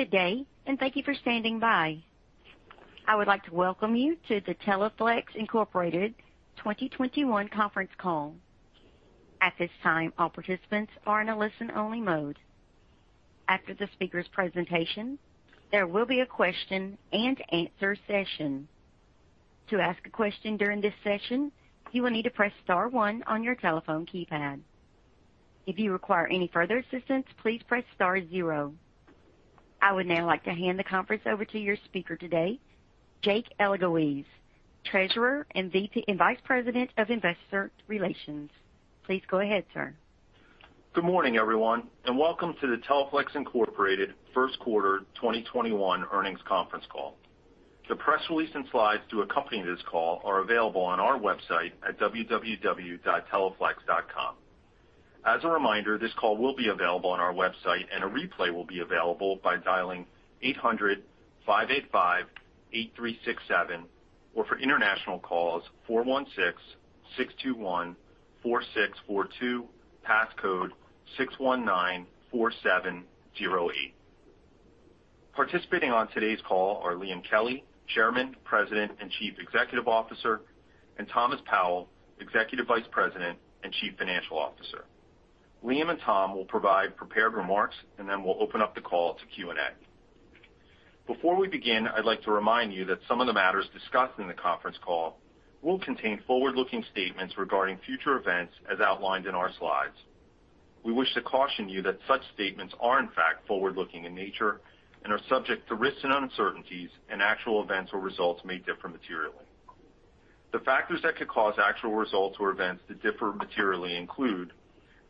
Good day, and thank you for standing by. I would like to welcome you to the Teleflex Incorporated 2021 conference call. At this time, all participants are in a listen-only mode. After the speaker's presentation, there will be a question and answer session. To ask a question during this session, you will need to press star one on your telephone keypad. If you require any further assistance, please press star zero. I would now like to hand the conference over to your speaker today, Jake Elguicze, Treasurer and Vice President of Investor Relations. Please go ahead, sir. Good morning, everyone, and welcome to the Teleflex Incorporated First Quarter 2021 Earnings Conference call. The press release and slides to accompany this call are available on our website at www.teleflex.com. As a reminder, this call will be available on our website, and a replay will be available by dialing 800-585-8367, or for international calls, 416-621-4642, passcode 6194708. Participating on today's call are Liam Kelly, Chairman, President, and Chief Executive Officer, and Thomas Powell, Executive Vice President and Chief Financial Officer. Liam and Tom will provide prepared remarks, and then we'll open up the call to Q&A. Before we begin, I'd like to remind you that some of the matters discussed in the conference call will contain forward-looking statements regarding future events, as outlined in our slides. We wish to caution you that such statements are in fact forward-looking in nature and are subject to risks and uncertainties, and actual events or results may differ materially. The factors that could cause actual results or events to differ materially include,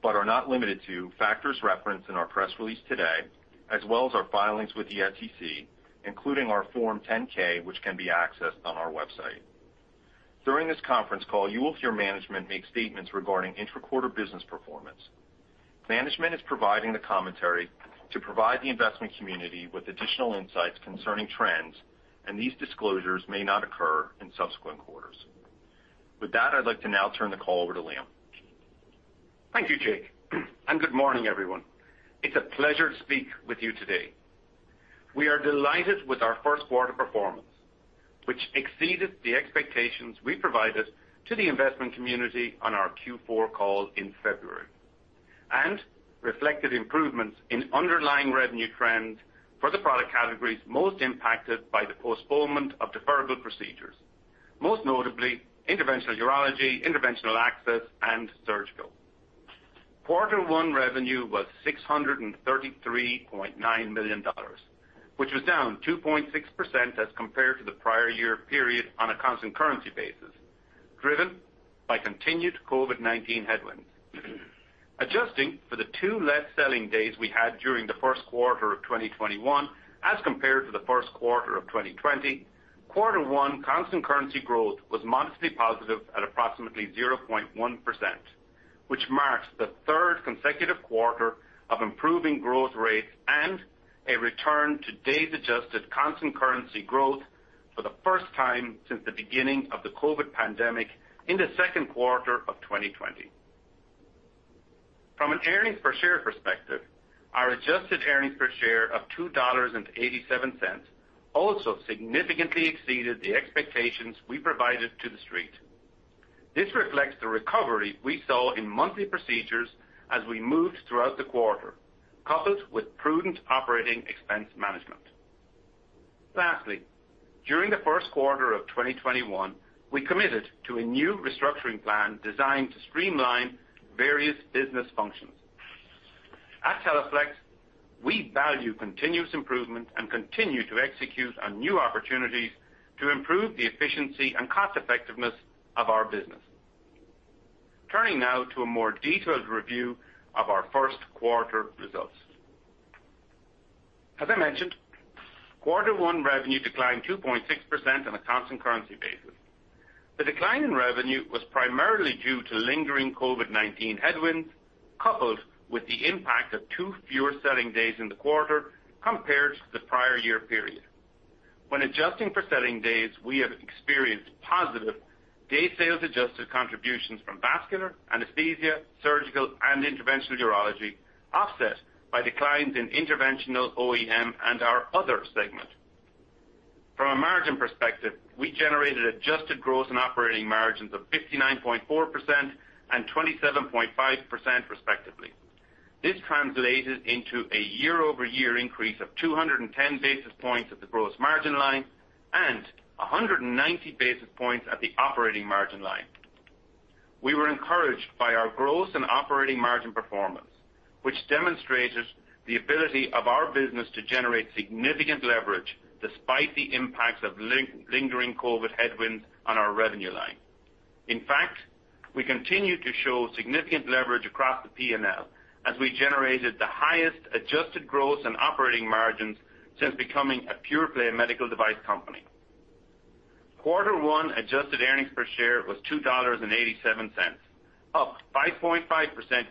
but are not limited to, factors referenced in our press release today, as well as our filings with the SEC, including our Form 10-K, which can be accessed on our website. During this conference call, you will hear management make statements regarding intra-quarter business performance. Management is providing the commentary to provide the investment community with additional insights concerning trends, and these disclosures may not occur in subsequent quarters. With that, I'd like to now turn the call over to Liam. Thank you, Jake, and good morning, everyone. It's a pleasure to speak with you today. We are delighted with our first-quarter performance, which exceeded the expectations we provided to the investment community on our Q4 call in February and reflected improvements in underlying revenue trends for the product categories most impacted by the postponement of deferrable procedures, most notably interventional urology, interventional access, and surgical. Quarter one revenue was $633.9 million, which was down 2.6% as compared to the prior year period on a constant currency basis, driven by continued COVID-19 headwinds. Adjusting for the two less selling days we had during the first quarter of 2021 as compared to the first quarter of 2020, quarter one constant currency growth was modestly positive at approximately 0.1%, which marks the third consecutive quarter of improving growth rates and a return to days-adjusted constant currency growth for the first time since the beginning of the COVID pandemic in the second quarter of 2020. From an earnings per share perspective, our adjusted earnings per share of $2.87 also significantly exceeded the expectations we provided to the street. This reflects the recovery we saw in monthly procedures as we moved throughout the quarter, coupled with prudent operating expense management. Lastly, during the first quarter of 2021, we committed to a new restructuring plan designed to streamline various business functions. At Teleflex, we value continuous improvement and continue to execute on new opportunities to improve the efficiency and cost-effectiveness of our business. Turning now to a more detailed review of our first quarter results. As I mentioned, quarter one revenue declined 2.6% on a constant currency basis. The decline in revenue was primarily due to lingering COVID-19 headwinds, coupled with the impact of two fewer selling days in the quarter compared to the prior year period. When adjusting for selling days, we have experienced positive day sales adjusted contributions from vascular, anesthesia, surgical, and interventional urology, offset by declines in interventional OEM and our other segment. From a margin perspective, we generated adjusted gross and operating margins of 59.4% and 27.5% respectively. This translated into a year-over-year increase of 210 basis points at the gross margin line and 190 basis points at the operating margin line. We were encouraged by our gross and operating margin performance, which demonstrated the ability of our business to generate significant leverage despite the impacts of lingering COVID headwinds on our revenue line. In fact, we continue to show significant leverage across the P&L as we generated the highest adjusted gross and operating margins since becoming a pure-play medical device company. Quarter one adjusted earnings per share was $2.87, up 5.5%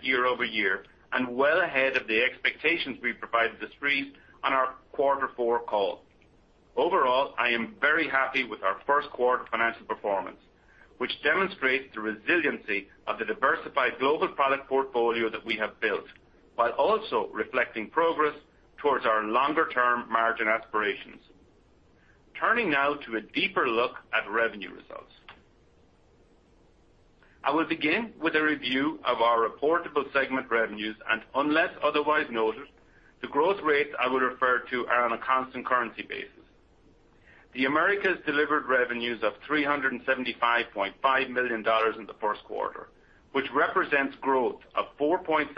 year-over-year, and well ahead of the expectations we provided the street on our quarter four call. Overall, I am very happy with our first quarter financial performance, which demonstrates the resiliency of the diversified global product portfolio that we have built, while also reflecting progress towards our longer-term margin aspirations. Turning now to a deeper look at revenue results. I will begin with a review of our reportable segment revenues, and unless otherwise noted, the growth rates I will refer to are on a constant currency basis. The Americas delivered revenues of $375.5 million in the first quarter, which represents growth of 4.7%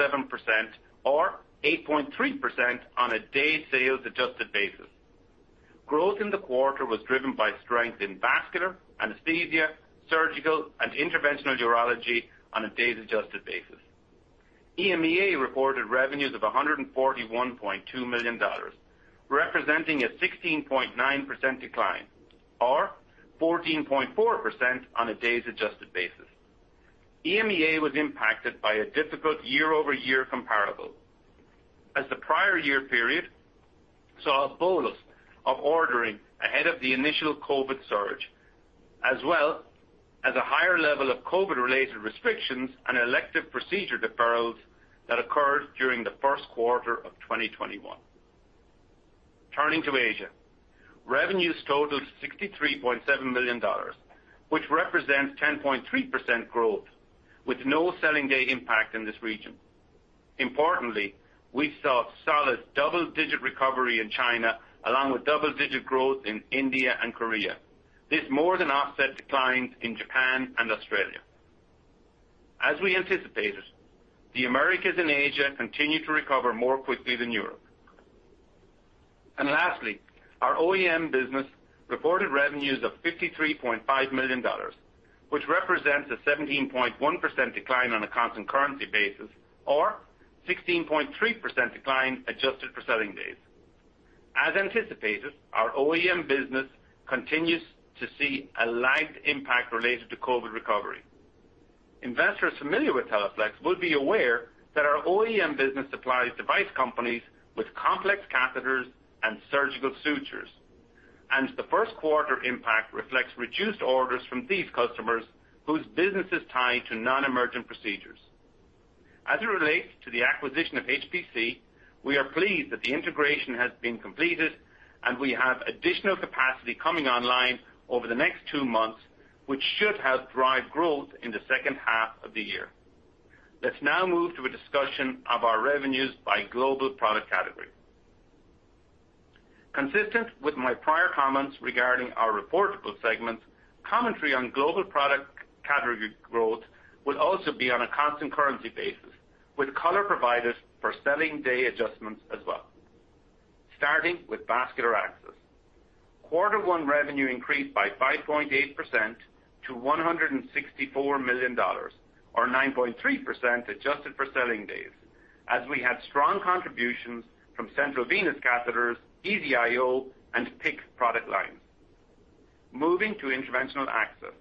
or 8.3% on a days adjusted basis. Growth in the quarter was driven by strength in vascular, anesthesia, surgical, and interventional urology on a days adjusted basis. EMEA reported revenues of $141.2 million, representing a 16.9% decline, or 14.4% on a days adjusted basis. EMEA was impacted by a difficult year-over-year comparable as the prior year period saw a bolus of ordering ahead of the initial COVID surge, as well as a higher level of COVID-related restrictions and elective procedure deferrals that occurred during the first quarter of 2021. Turning to Asia. Revenues totaled $63.7 million, which represents 10.3% growth with no selling day impact in this region. Importantly, we saw solid double-digit recovery in China, along with double-digit growth in India and Korea. This more than offset declines in Japan and Australia. As we anticipated, the Americas and Asia continue to recover more quickly than Europe. Lastly, our OEM business reported revenues of $53.5 million, which represents a 17.1% decline on a constant currency basis or 16.3% decline adjusted for selling days. As anticipated, our OEM business continues to see a lagged impact related to COVID recovery. Investors familiar with Teleflex will be aware that our OEM business supplies device companies with complex catheters and surgical sutures. The first quarter impact reflects reduced orders from these customers whose business is tied to non-emergent procedures. As it relates to the acquisition of HPC, we are pleased that the integration has been completed, and we have additional capacity coming online over the next two months, which should help drive growth in the second half of the year. Let's now move to a discussion of our revenues by global product category. Consistent with my prior comments regarding our reportable segments, commentary on global product category growth will also be on a constant currency basis, with color provided for selling day adjustments as well. Starting with vascular access. Quarter one revenue increased by 5.8% to $164 million, or 9.3% adjusted for selling days, as we had strong contributions from central venous catheters, EZ-IO, and PICC product lines. Moving to interventional access.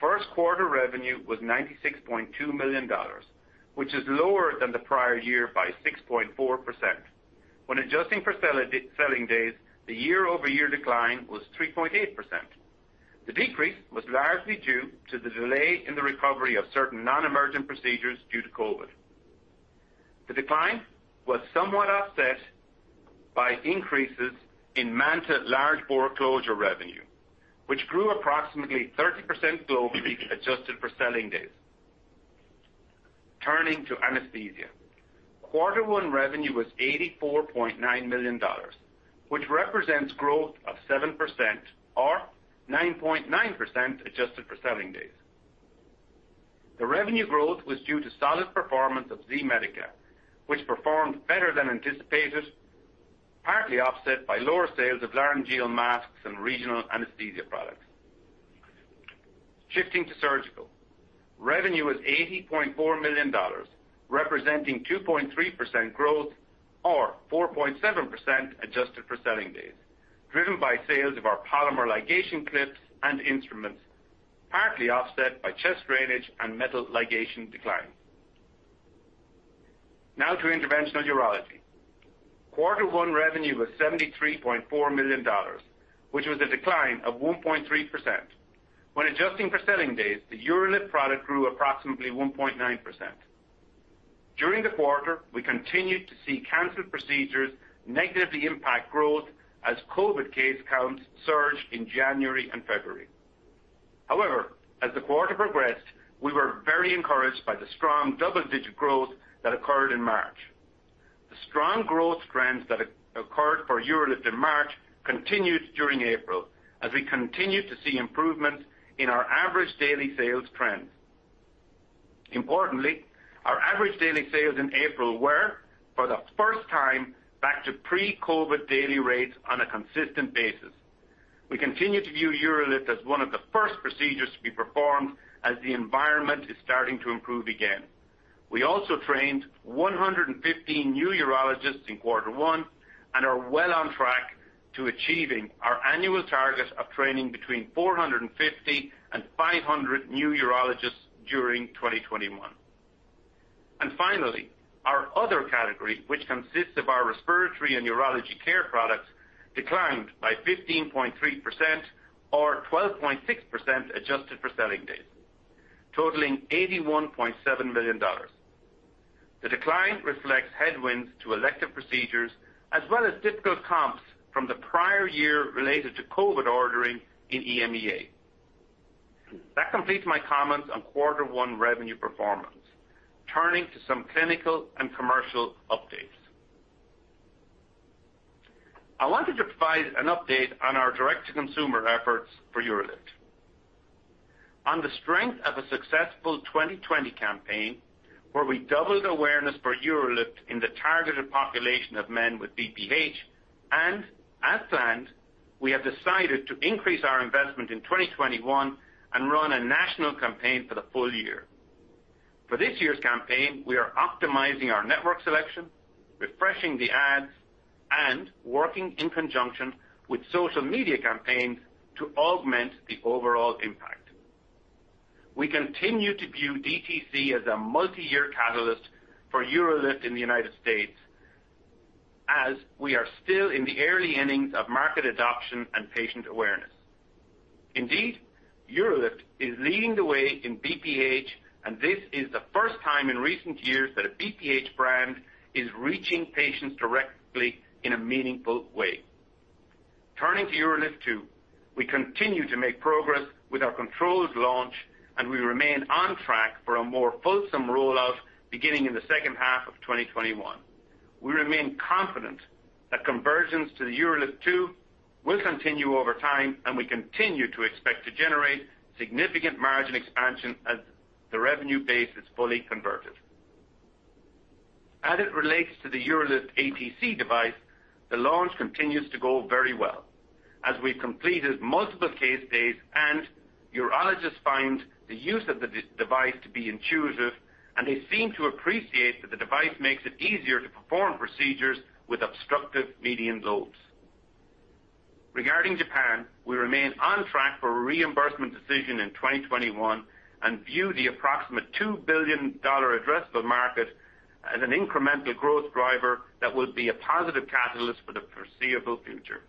First quarter revenue was $96.2 million, which is lower than the prior year by 6.4%. When adjusting for selling days, the year-over-year decline was 3.8%. The decrease was largely due to the delay in the recovery of certain non-emergent procedures due to COVID. The decline was somewhat offset by increases in MANTA large bore closure revenue, which grew approximately 30% globally adjusted for selling days. Turning to anesthesia. Quarter one revenue was $84.9 million, which represents growth of 7% or 9.9% adjusted for selling days. The revenue growth was due to solid performance of Z-Medica, which performed better than anticipated, partly offset by lower sales of laryngeal masks and regional anesthesia products. Shifting to surgical. Revenue was $80.4 million, representing 2.3% growth or 4.7% adjusted for selling days, driven by sales of our polymer ligation clips and instruments, partly offset by chest drainage and metal ligation decline. Now to interventional urology. Quarter one revenue was $73.4 million, which was a decline of 1.3%. When adjusting for selling days, the UroLift product grew approximately 1.9%. During the quarter, we continued to see canceled procedures negatively impact growth as COVID case counts surged in January and February. However, as the quarter progressed, we were very encouraged by the strong double-digit growth that occurred in March. The strong growth trends that occurred for UroLift in March continued during April as we continued to see improvements in our average daily sales trends. Importantly, our average daily sales in April were, for the first time, back to pre-COVID daily rates on a consistent basis. We continue to view UroLift as one of the first procedures to be performed as the environment is starting to improve again. We also trained 115 new urologists in quarter one and are well on track to achieving our annual target of training between 450 and 500 new urologists during 2021. Finally, our other category, which consists of our respiratory and urology care products, declined by 15.3% or 12.6% adjusted for selling days, totaling $81.7 million. The decline reflects headwinds to elective procedures as well as difficult comps from the prior year related to COVID ordering in EMEA. That completes my comments on quarter one revenue performance. Turning to some clinical and commercial updates. I wanted to provide an update on our direct-to-consumer efforts for UroLift. On the strength of a successful 2020 campaign, where we doubled awareness for UroLift in the targeted population of men with BPH, as planned, we have decided to increase our investment in 2021 and run a national campaign for the full year. For this year's campaign, we are optimizing our network selection, refreshing the ads, and working in conjunction with social media campaigns to augment the overall impact. We continue to view DTC as a multi-year catalyst for UroLift in the United States, as we are still in the early innings of market adoption and patient awareness. Indeed, UroLift is leading the way in BPH, and this is the first time in recent years that a BPH brand is reaching patients directly in a meaningful way. Turning to UroLift 2, we continue to make progress with our controlled launch, and we remain on track for a more fulsome rollout beginning in the second half of 2021. We remain confident that conversions to the UroLift 2 will continue over time, and we continue to expect to generate significant margin expansion as the revenue base is fully converted. As it relates to the UroLift ATC device, the launch continues to go very well. As we've completed multiple case days and urologists find the use of the device to be intuitive, and they seem to appreciate that the device makes it easier to perform procedures with obstructive median lobes. Regarding Japan, we remain on track for a reimbursement decision in 2021 and view the approximate $2 billion addressable market as an incremental growth driver that will be a positive catalyst for the foreseeable future.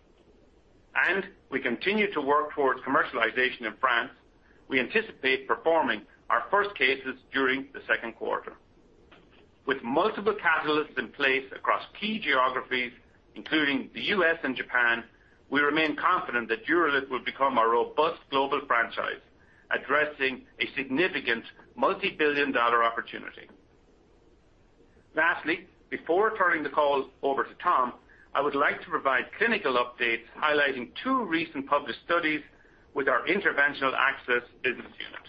We continue to work towards commercialization in France. We anticipate performing our first cases during the second quarter. With multiple catalysts in place across key geographies, including the U.S. and Japan, we remain confident that UroLift will become a robust global franchise, addressing a significant multi-billion-dollar opportunity. Before turning the call over to Tom, I would like to provide clinical updates highlighting two recent published studies with our Interventional Access business unit.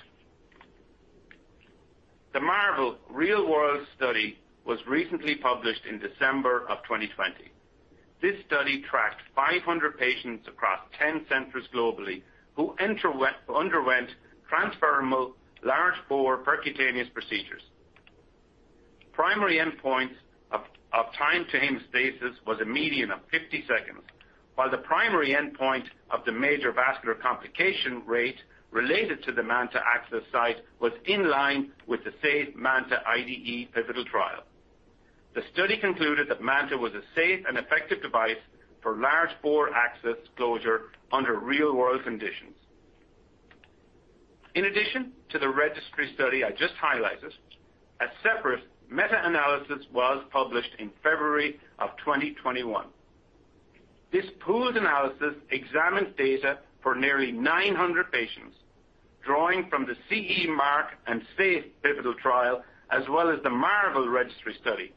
The MARVEL real-world study was recently published in December of 2020. This study tracked 500 patients across 10 centers globally who underwent transfemoral large bore percutaneous procedures. Primary endpoint of time to hemostasis was a median of 50 seconds, while the primary endpoint of the major vascular complication rate related to the MANTA access site was in line with the SAFE MANTA IDE pivotal trial. The study concluded that MANTA was a safe and effective device for large bore access closure under real-world conditions. In addition to the registry study I just highlighted, a separate meta-analysis was published in February of 2021. This pooled analysis examined data for nearly 900 patients, drawing from the CE Mark and SAFE pivotal trial, as well as the MARVEL registry study.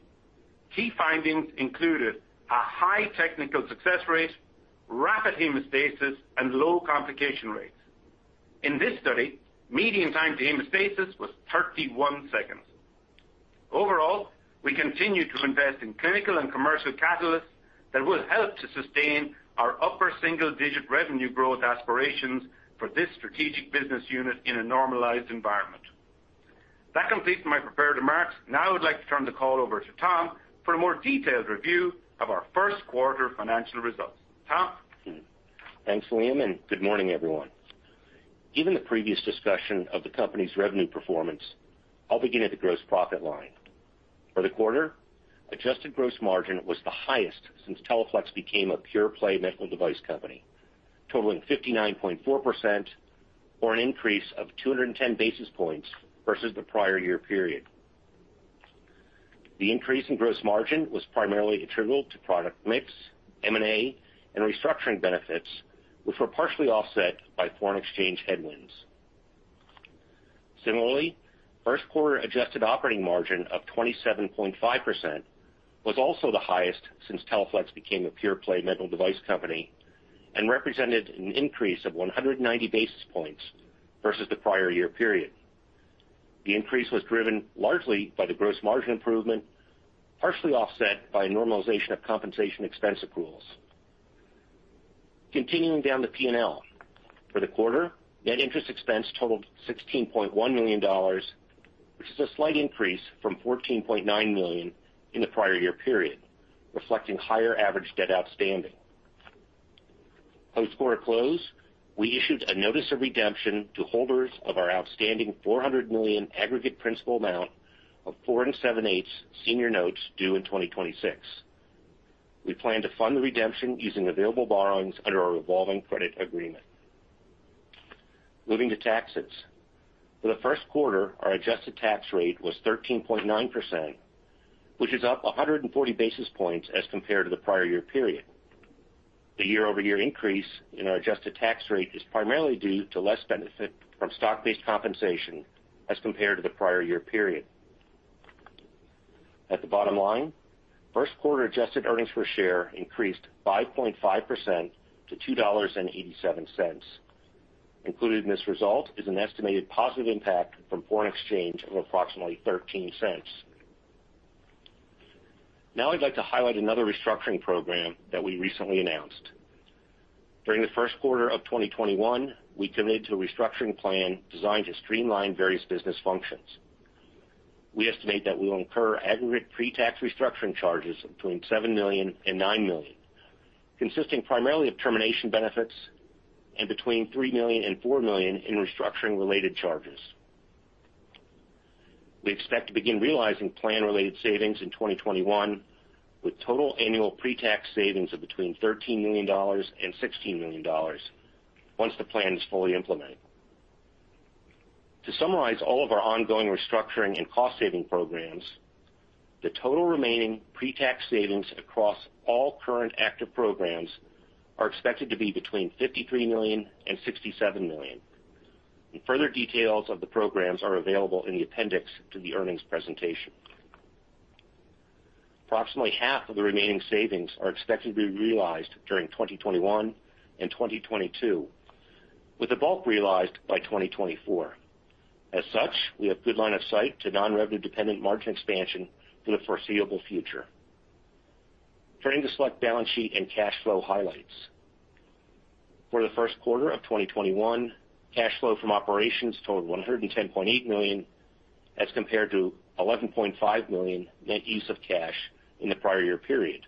Key findings included a high technical success rate, rapid hemostasis, and low complication rates. In this study, median time to hemostasis was 31 seconds. Overall, we continue to invest in clinical and commercial catalysts that will help to sustain our upper single-digit revenue growth aspirations for this strategic business unit in a normalized environment. That completes my prepared remarks. Now I would like to turn the call over to Tom for a more detailed review of our first quarter financial results. Tom? Thanks, Liam, and good morning, everyone. Given the previous discussion of the company's revenue performance, I'll begin at the gross profit line. For the quarter, adjusted gross margin was the highest since Teleflex became a pure-play medical device company, totaling 59.4%, or an increase of 210 basis points versus the prior year period. The increase in gross margin was primarily attributable to product mix, M&A, and restructuring benefits, which were partially offset by foreign exchange headwinds. Similarly, first quarter adjusted operating margin of 27.5% was also the highest since Teleflex became a pure-play medical device company and represented an increase of 190 basis points versus the prior year period. The increase was driven largely by the gross margin improvement, partially offset by a normalization of compensation expense accruals. Continuing down the P&L. For the quarter, net interest expense totaled $16.1 million, which is a slight increase from $14.9 million in the prior year period, reflecting higher average debt outstanding. Post quarter close, we issued a notice of redemption to holders of our outstanding $400 million aggregate principal amount of four to seven-eighths senior notes due in 2026. We plan to fund the redemption using available borrowings under our revolving credit agreement. Moving to taxes. For the first quarter, our adjusted tax rate was 13.9%, which is up 140 basis points as compared to the prior year period. The year-over-year increase in our adjusted tax rate is primarily due to less benefit from stock-based compensation as compared to the prior year period. At the bottom line, first quarter adjusted earnings per share increased 5.5% to $2.87. Included in this result is an estimated positive impact from foreign exchange of approximately $0.13. I'd like to highlight another restructuring program that we recently announced. During the first quarter of 2021, we committed to a restructuring plan designed to streamline various business functions. We estimate that we will incur aggregate pre-tax restructuring charges between $7 million and $9 million, consisting primarily of termination benefits, and between $3 million and $4 million in restructuring related charges. We expect to begin realizing plan related savings in 2021, with total annual pre-tax savings of between $13 million and $16 million once the plan is fully implemented. To summarize all of our ongoing restructuring and cost saving programs, the total remaining pre-tax savings across all current active programs are expected to be between $53 million and $67 million. Further details of the programs are available in the appendix to the earnings presentation. Approximately half of the remaining savings are expected to be realized during 2021 and 2022, with the bulk realized by 2024. As such, we have good line of sight to non-revenue dependent margin expansion for the foreseeable future. Turning to select balance sheet and cash flow highlights. For the first quarter of 2021, cash flow from operations totaled $110.8 million, as compared to $11.5 million net use of cash in the prior year period,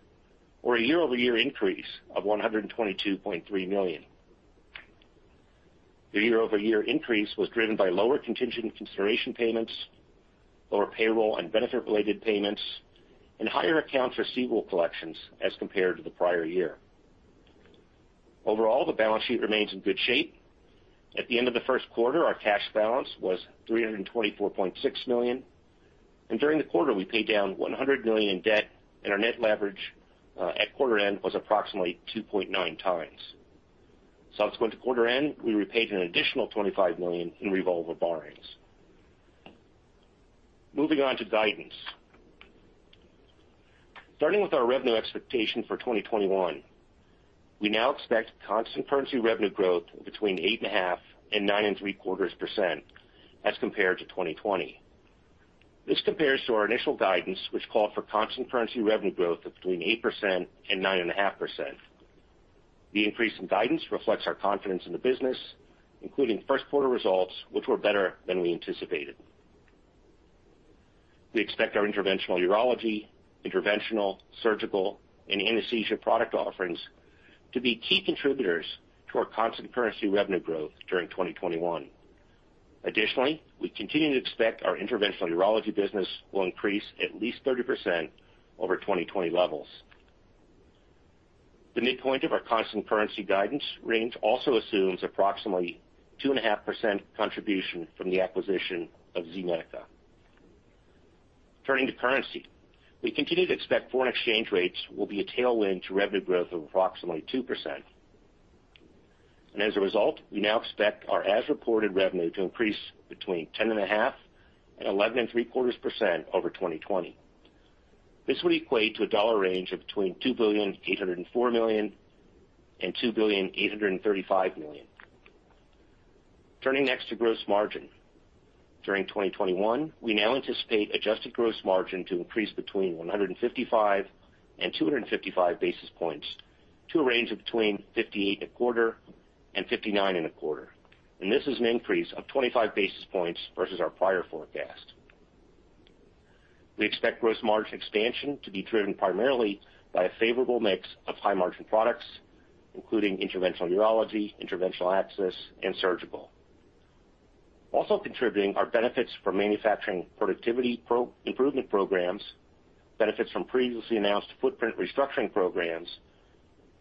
or a year-over-year increase of $122.3 million. The year-over-year increase was driven by lower contingent consideration payments, lower payroll and benefit related payments, and higher accounts receivable collections as compared to the prior year. Overall, the balance sheet remains in good shape. At the end of the first quarter, our cash balance was $324.6 million, and during the quarter, we paid down $100 million in debt, and our net leverage at quarter end was approximately 2.9x. Subsequent to quarter end, we repaid an additional $25 million in revolver borrowings. Moving on to guidance. Starting with our revenue expectation for 2021, we now expect constant currency revenue growth between 8.5% and 9.75% as compared to 2020. This compares to our initial guidance, which called for constant currency revenue growth of between 8% and 9.5%. The increase in guidance reflects our confidence in the business, including first quarter results, which were better than we anticipated. We expect our interventional urology, interventional, surgical, and anesthesia product offerings to be key contributors to our constant currency revenue growth during 2021. We continue to expect our interventional urology business will increase at least 30% over 2020 levels. The midpoint of our constant currency guidance range also assumes approximately 2.5% contribution from the acquisition of Z-Medica. Turning to currency. We continue to expect foreign exchange rates will be a tailwind to revenue growth of approximately 2%. As a result, we now expect our as-reported revenue to increase between 10.5% and 11.75% over 2020. This would equate to a dollar range of between $2,804 million and $2,835 million. Turning next to gross margin. During 2021, we now anticipate adjusted gross margin to increase between 155 and 255 basis points to a range of between 58.25% and 59.25%. This is an increase of 25 basis points versus our prior forecast. We expect gross margin expansion to be driven primarily by a favorable mix of high margin products, including interventional urology, interventional access, and surgical. Also contributing are benefits from manufacturing productivity improvement programs, benefits from previously announced footprint restructuring programs,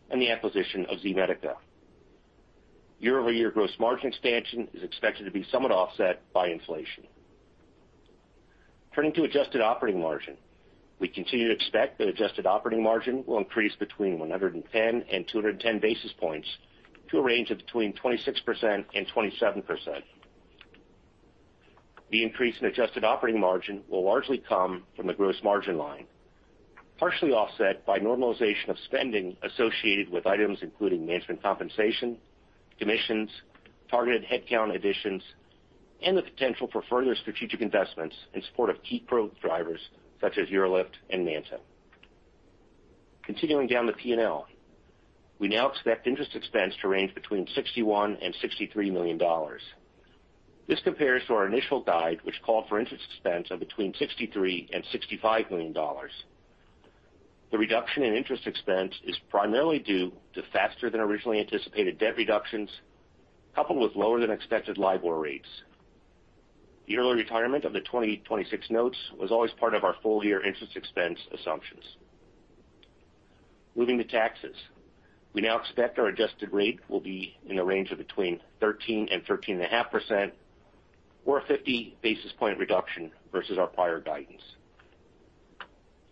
and the acquisition of Z-Medica. Year-over-year gross margin expansion is expected to be somewhat offset by inflation. Turning to adjusted operating margin. We continue to expect that adjusted operating margin will increase between 110 and 210 basis points to a range of between 26% and 27%. The increase in adjusted operating margin will largely come from the gross margin line, partially offset by normalization of spending associated with items including management compensation, commissions, targeted headcount additions, and the potential for further strategic investments in support of key growth drivers such as UroLift and MANTA. Continuing down the P&L. We now expect interest expense to range between $61 million and $63 million. This compares to our initial guide, which called for interest expense of between $63 million and $65 million. The reduction in interest expense is primarily due to faster than originally anticipated debt reductions, coupled with lower than expected LIBOR rates. The early retirement of the 2026 notes was always part of our full-year interest expense assumptions. Moving to taxes. We now expect our adjusted rate will be in the range of between 13% and 13.5%, or a 50 basis point reduction versus our prior guidance.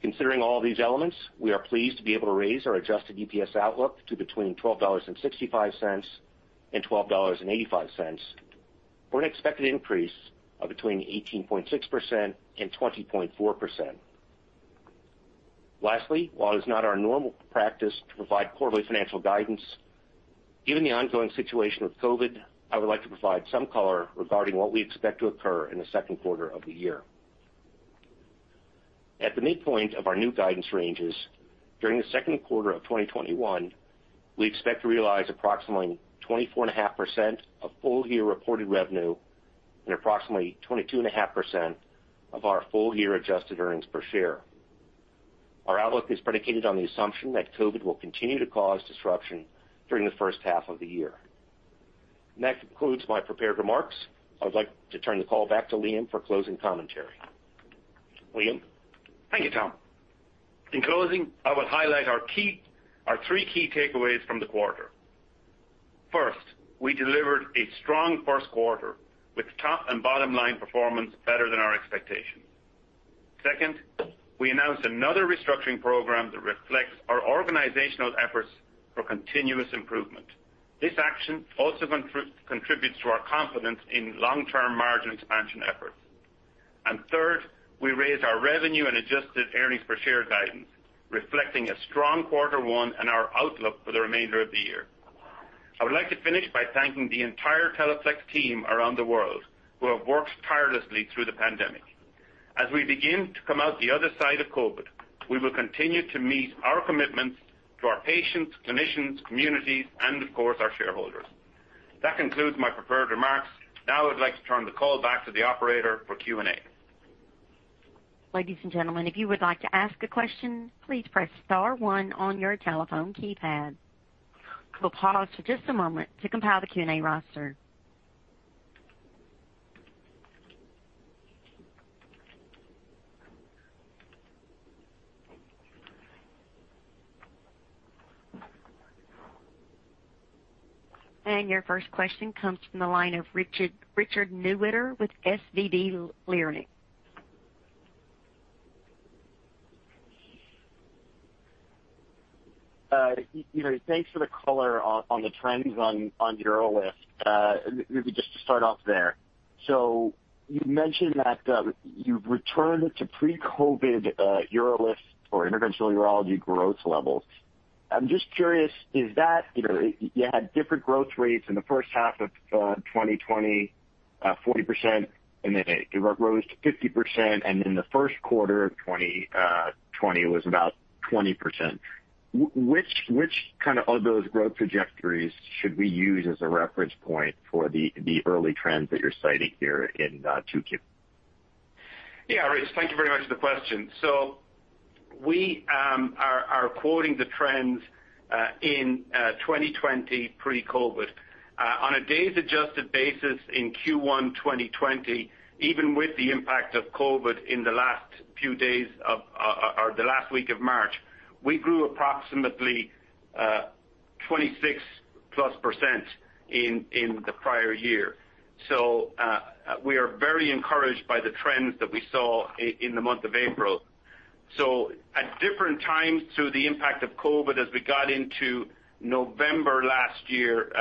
Considering all these elements, we are pleased to be able to raise our adjusted EPS outlook to between $12.65 and $12.85, for an expected increase of between 18.6% and 20.4%. Lastly, while it is not our normal practice to provide quarterly financial guidance, given the ongoing situation with COVID, I would like to provide some color regarding what we expect to occur in the second quarter of the year. At the midpoint of our new guidance ranges, during the second quarter of 2021, we expect to realize approximately 24.5% of full-year reported revenue and approximately 22.5% of our full-year adjusted earnings per share. Our outlook is predicated on the assumption that COVID will continue to cause disruption during the first half of the year. That concludes my prepared remarks. I would like to turn the call back to Liam for closing commentary. Liam? Thank you, Tom. In closing, I would highlight our three key takeaways from the quarter. First, we delivered a strong first quarter with top and bottom line performance better than our expectations. Second, we announced another restructuring program that reflects our organizational efforts for continuous improvement. This action also contributes to our confidence in long-term margin expansion efforts. Third, we raised our revenue and adjusted earnings per share guidance, reflecting a strong quarter one and our outlook for the remainder of the year. I would like to finish by thanking the entire Teleflex team around the world who have worked tirelessly through the pandemic. As we begin to come out the other side of COVID, we will continue to meet our commitments to our patients, clinicians, communities, and of course, our shareholders. That concludes my prepared remarks. Now I would like to turn the call back to the operator for Q&A. Ladies and gentlemen, if you would like to ask a question, please press star one on your telephone keypad. We'll pause for just a moment to compile the Q&A roster. Your first question comes from the line of Richard Newitter with SVB Leerink. Thanks for the color on the trends on UroLift. Maybe just to start off there. You mentioned that you've returned to pre-COVID UroLift or interventional urology growth levels. I'm just curious, you had different growth rates in the first half of 2020, 40%, and then it rose to 50%, and in the first quarter of 2020, it was about 20%. Which of those growth trajectories should we use as a reference point for the early trends that you're citing here in 2Q? Yeah, Richard, thank you very much for the question. We are quoting the trends in 2020 pre-COVID. On a days-adjusted basis in Q1 2020, even with the impact of COVID in the last week of March, we grew approximately 26%+ in the prior year. We are very encouraged by the trends that we saw in the month of April. At different times through the impact of COVID as we got into November last year,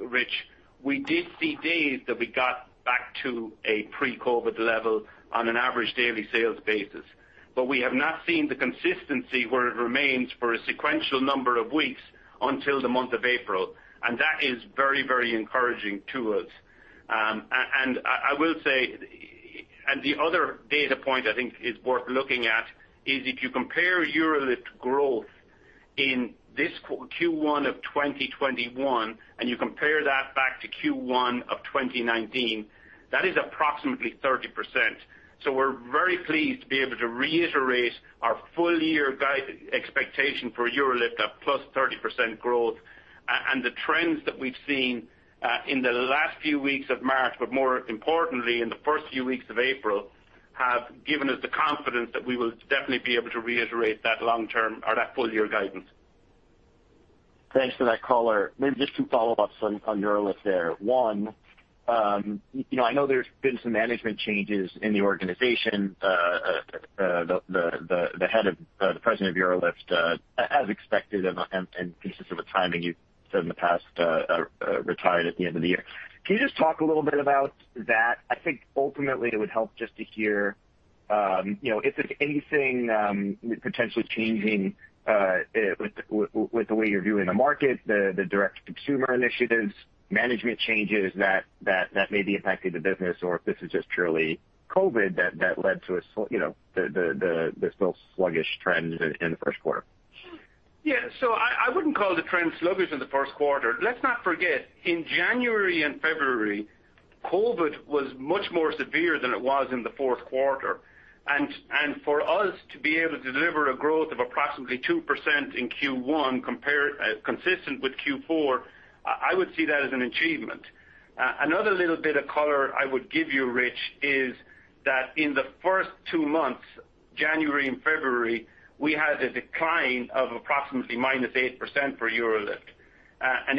Rich, we did see days that we got back to a pre-COVID level on an average daily sales basis. We have not seen the consistency where it remains for a sequential number of weeks until the month of April, and that is very encouraging to us. The other data point I think is worth looking at is if you compare UroLift growth in this Q1 of 2021, and you compare that back to Q1 of 2019, that is approximately 30%. We're very pleased to be able to reiterate our full-year expectation for UroLift of +30% growth. The trends that we've seen in the last few weeks of March, but more importantly in the first few weeks of April, have given us the confidence that we will definitely be able to reiterate that full-year guidance. Thanks for that color. Maybe just two follow-ups on UroLift there. One, I know there's been some management changes in the organization. The president of UroLift, as expected and consistent with timing you've said in the past, retired at the end of the year. Can you just talk a little bit about that? I think ultimately it would help just to hear if there's anything potentially changing with the way you're viewing the market, the direct-to-consumer initiatives, management changes that may be impacting the business, or if this is just purely COVID that led to the still sluggish trends in the first quarter. Yeah. I wouldn't call the trend sluggish in the first quarter. Let's not forget, in January and February, COVID was much more severe than it was in the fourth quarter. For us to be able to deliver a growth of approximately 2% in Q1 consistent with Q4, I would see that as an achievement. Another little bit of color I would give you, Rich, is that in the first two months, January and February, we had a decline of approximately -8% for UroLift.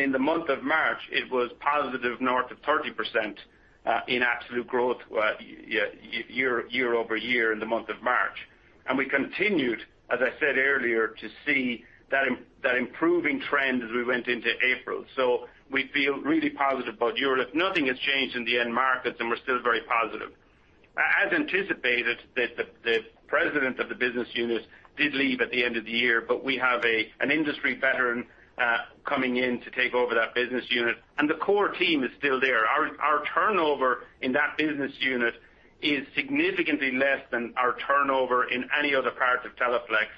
In the month of March, it was positive north of 30% in absolute growth year-over-year in the month of March. We continued, as I said earlier, to see that improving trend as we went into April. We feel really positive about UroLift. Nothing has changed in the end markets, and we're still very positive. As anticipated, the president of the business unit did leave at the end of the year, but we have an industry veteran coming in to take over that business unit, and the core team is still there. Our turnover in that business unit is significantly less than our turnover in any other part of Teleflex,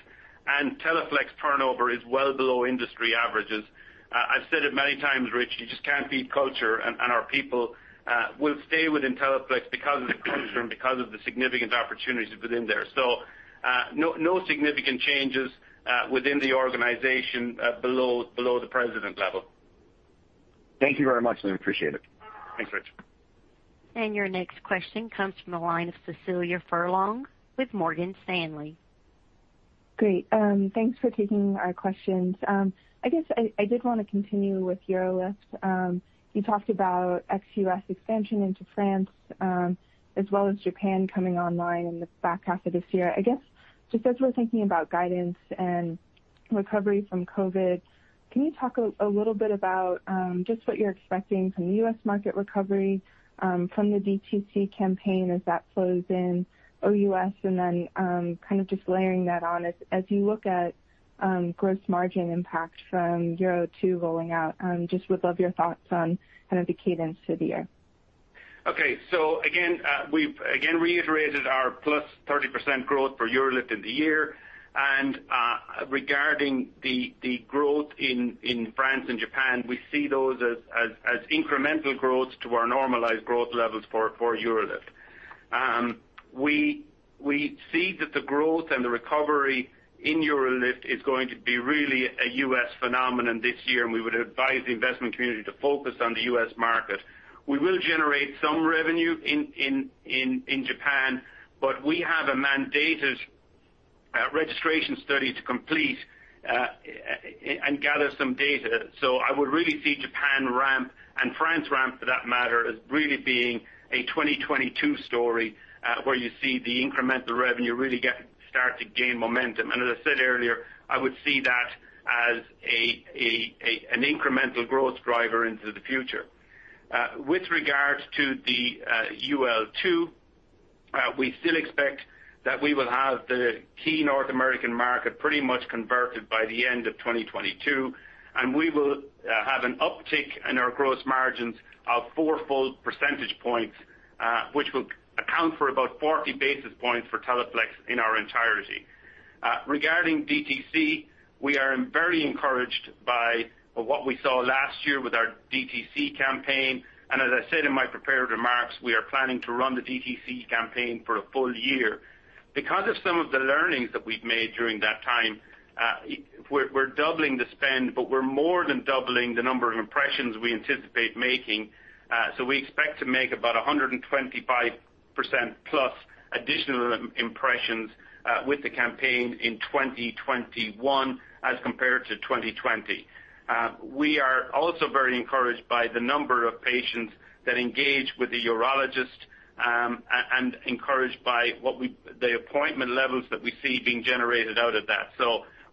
and Teleflex turnover is well below industry averages. I've said it many times, Rich, you just can't beat culture, and our people will stay within Teleflex because of the culture and because of the significant opportunities within there. No significant changes within the organization below the president level. Thank you very much. I appreciate it. Thanks, Rich. Your next question comes from the line of Cecilia Furlong with Morgan Stanley. Great. Thanks for taking our questions. I guess I did want to continue with UroLift. You talked about ex-U.S. expansion into France as well as Japan coming online in the back half of this year. I guess, just as we're thinking about guidance and recovery from COVID, can you talk a little bit about just what you're expecting from the U.S. market recovery from the DTC campaign as that flows in OUS? Then kind of just layering that on as you look at gross margin impact from UroLift 2 rolling out. Just would love your thoughts on kind of the cadence through the year. We've again reiterated our +30% growth for UroLift in the year. Regarding the growth in France and Japan, we see those as incremental growth to our normalized growth levels for UroLift. We see that the growth and the recovery in UroLift is going to be really a U.S. phenomenon this year, and we would advise the investment community to focus on the U.S. market. We will generate some revenue in Japan, but we have a mandated registration study to complete and gather some data. I would really see Japan ramp, and France ramp for that matter, as really being a 2022 story where you see the incremental revenue really start to gain momentum. As I said earlier, I would see that as an incremental growth driver into the future. With regards to the UroLift 2, we still expect that we will have the key North American market pretty much converted by the end of 2022. We will have an uptick in our gross margins of four full percentage points, which will account for about 40 basis points for Teleflex in our entirety. Regarding DTC, we are very encouraged by what we saw last year with our DTC campaign. As I said in my prepared remarks, we are planning to run the DTC campaign for a full year. Because of some of the learnings that we've made during that time, we're doubling the spend, but we're more than doubling the number of impressions we anticipate making. We expect to make about 125%+ additional impressions with the campaign in 2021 as compared to 2020. We are also very encouraged by the number of patients that engage with the urologist and encouraged by the appointment levels that we see being generated out of that.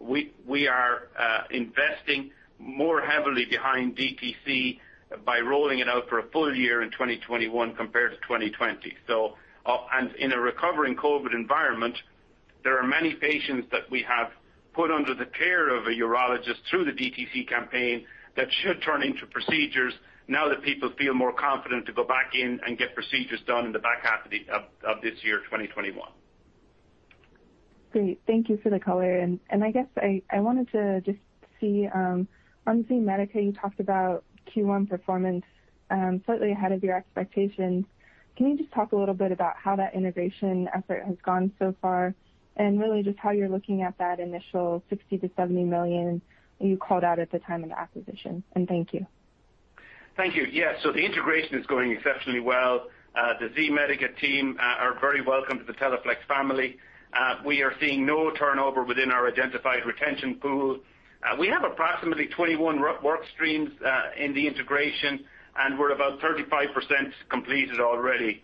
We are investing more heavily behind DTC by rolling it out for a full year in 2021 compared to 2020. In a recovering COVID environment, there are many patients that we have put under the care of a urologist through the DTC campaign that should turn into procedures now that people feel more confident to go back in and get procedures done in the back half of this year, 2021. Great. Thank you for the color. I guess I wanted to just see on Z-Medica, you talked about Q1 performance slightly ahead of your expectations. Can you just talk a little bit about how that integration effort has gone so far and really just how you're looking at that initial $60 million-$70 million that you called out at the time of the acquisition? Thank you. Thank you. Yeah, the integration is going exceptionally well. The Z-Medica team are very welcome to the Teleflex family. We are seeing no turnover within our identified retention pool. We have approximately 21 work streams in the integration, and we're about 35% completed already.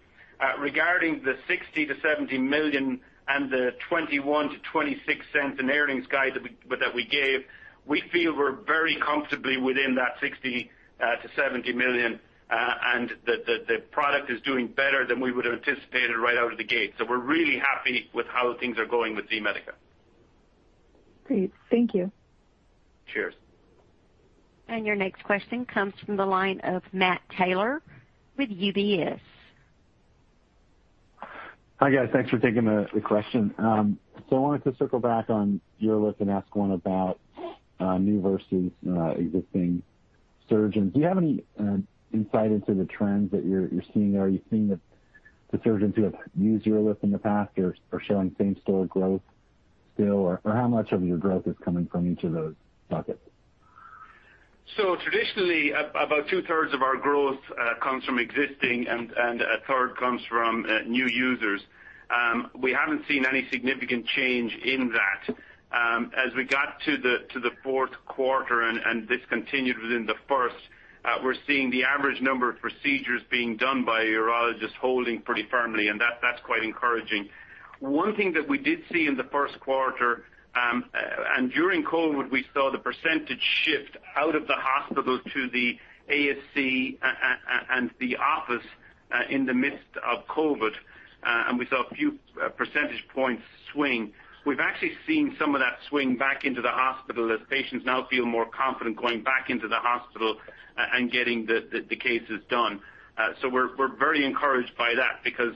Regarding the $60 million-$70 million and the $0.21-$0.26 in earnings guide that we gave, we feel we're very comfortably within that $60 million-$70 million and that the product is doing better than we would have anticipated right out of the gate. We're really happy with how things are going with Z-Medica. Great. Thank you. Cheers. Your next question comes from the line of Matt Taylor with UBS. Hi guys. Thanks for taking the question. I wanted to circle back on UroLift and ask one about new versus existing surgeons. Do you have any insight into the trends that you're seeing there? Are you seeing that the surgeons who have used UroLift in the past are showing same-store growth still? How much of your growth is coming from each of those buckets? Traditionally, about two-thirds of our growth comes from existing, and a third comes from new users. We haven't seen any significant change in that. We got to the fourth quarter, this continued within the first, we're seeing the average number of procedures being done by urologists holding pretty firmly, and that's quite encouraging. One thing that we did see in the first quarter, during COVID, we saw the percentage shift out of the hospital to the ASC and the office, in the midst of COVID. We saw a few percentage points swing. We've actually seen some of that swing back into the hospital as patients now feel more confident going back into the hospital and getting the cases done. We're very encouraged by that because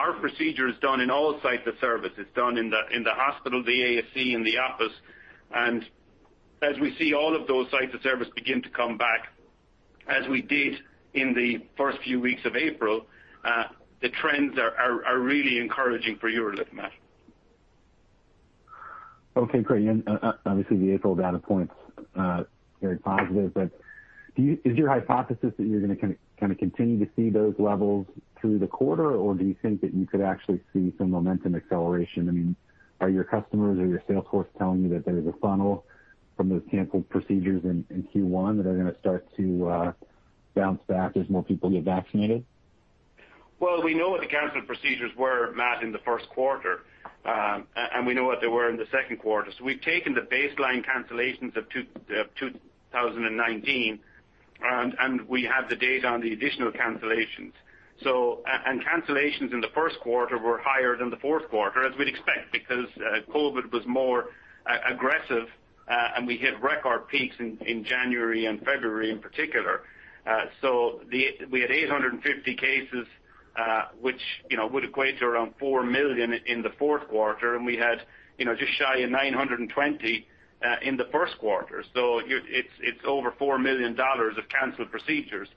our procedure is done in all sites of service. It's done in the hospital, the ASC, in the office. As we see all of those sites of service begin to come back, as we did in the first few weeks of April, the trends are really encouraging for UroLift, Matt. Okay, great. Obviously the April data point's very positive, but is your hypothesis that you're going to kind of continue to see those levels through the quarter, or do you think that you could actually see some momentum acceleration? Are your customers or your sales force telling you that there's a funnel from those canceled procedures in Q1 that are going to start to bounce back as more people get vaccinated? We know what the canceled procedures were, Matt, in the first quarter. We know what they were in the second quarter. We've taken the baseline cancellations of 2019, and we have the data on the additional cancellations. Cancellations in the first quarter were higher than the fourth quarter, as we'd expect, because COVID was more aggressive, and we hit record peaks in January and February in particular. We had 850 cases, which would equate to around $4 million in the fourth quarter, and we had just shy of 920 in the first quarter. It's over $4 million of canceled procedures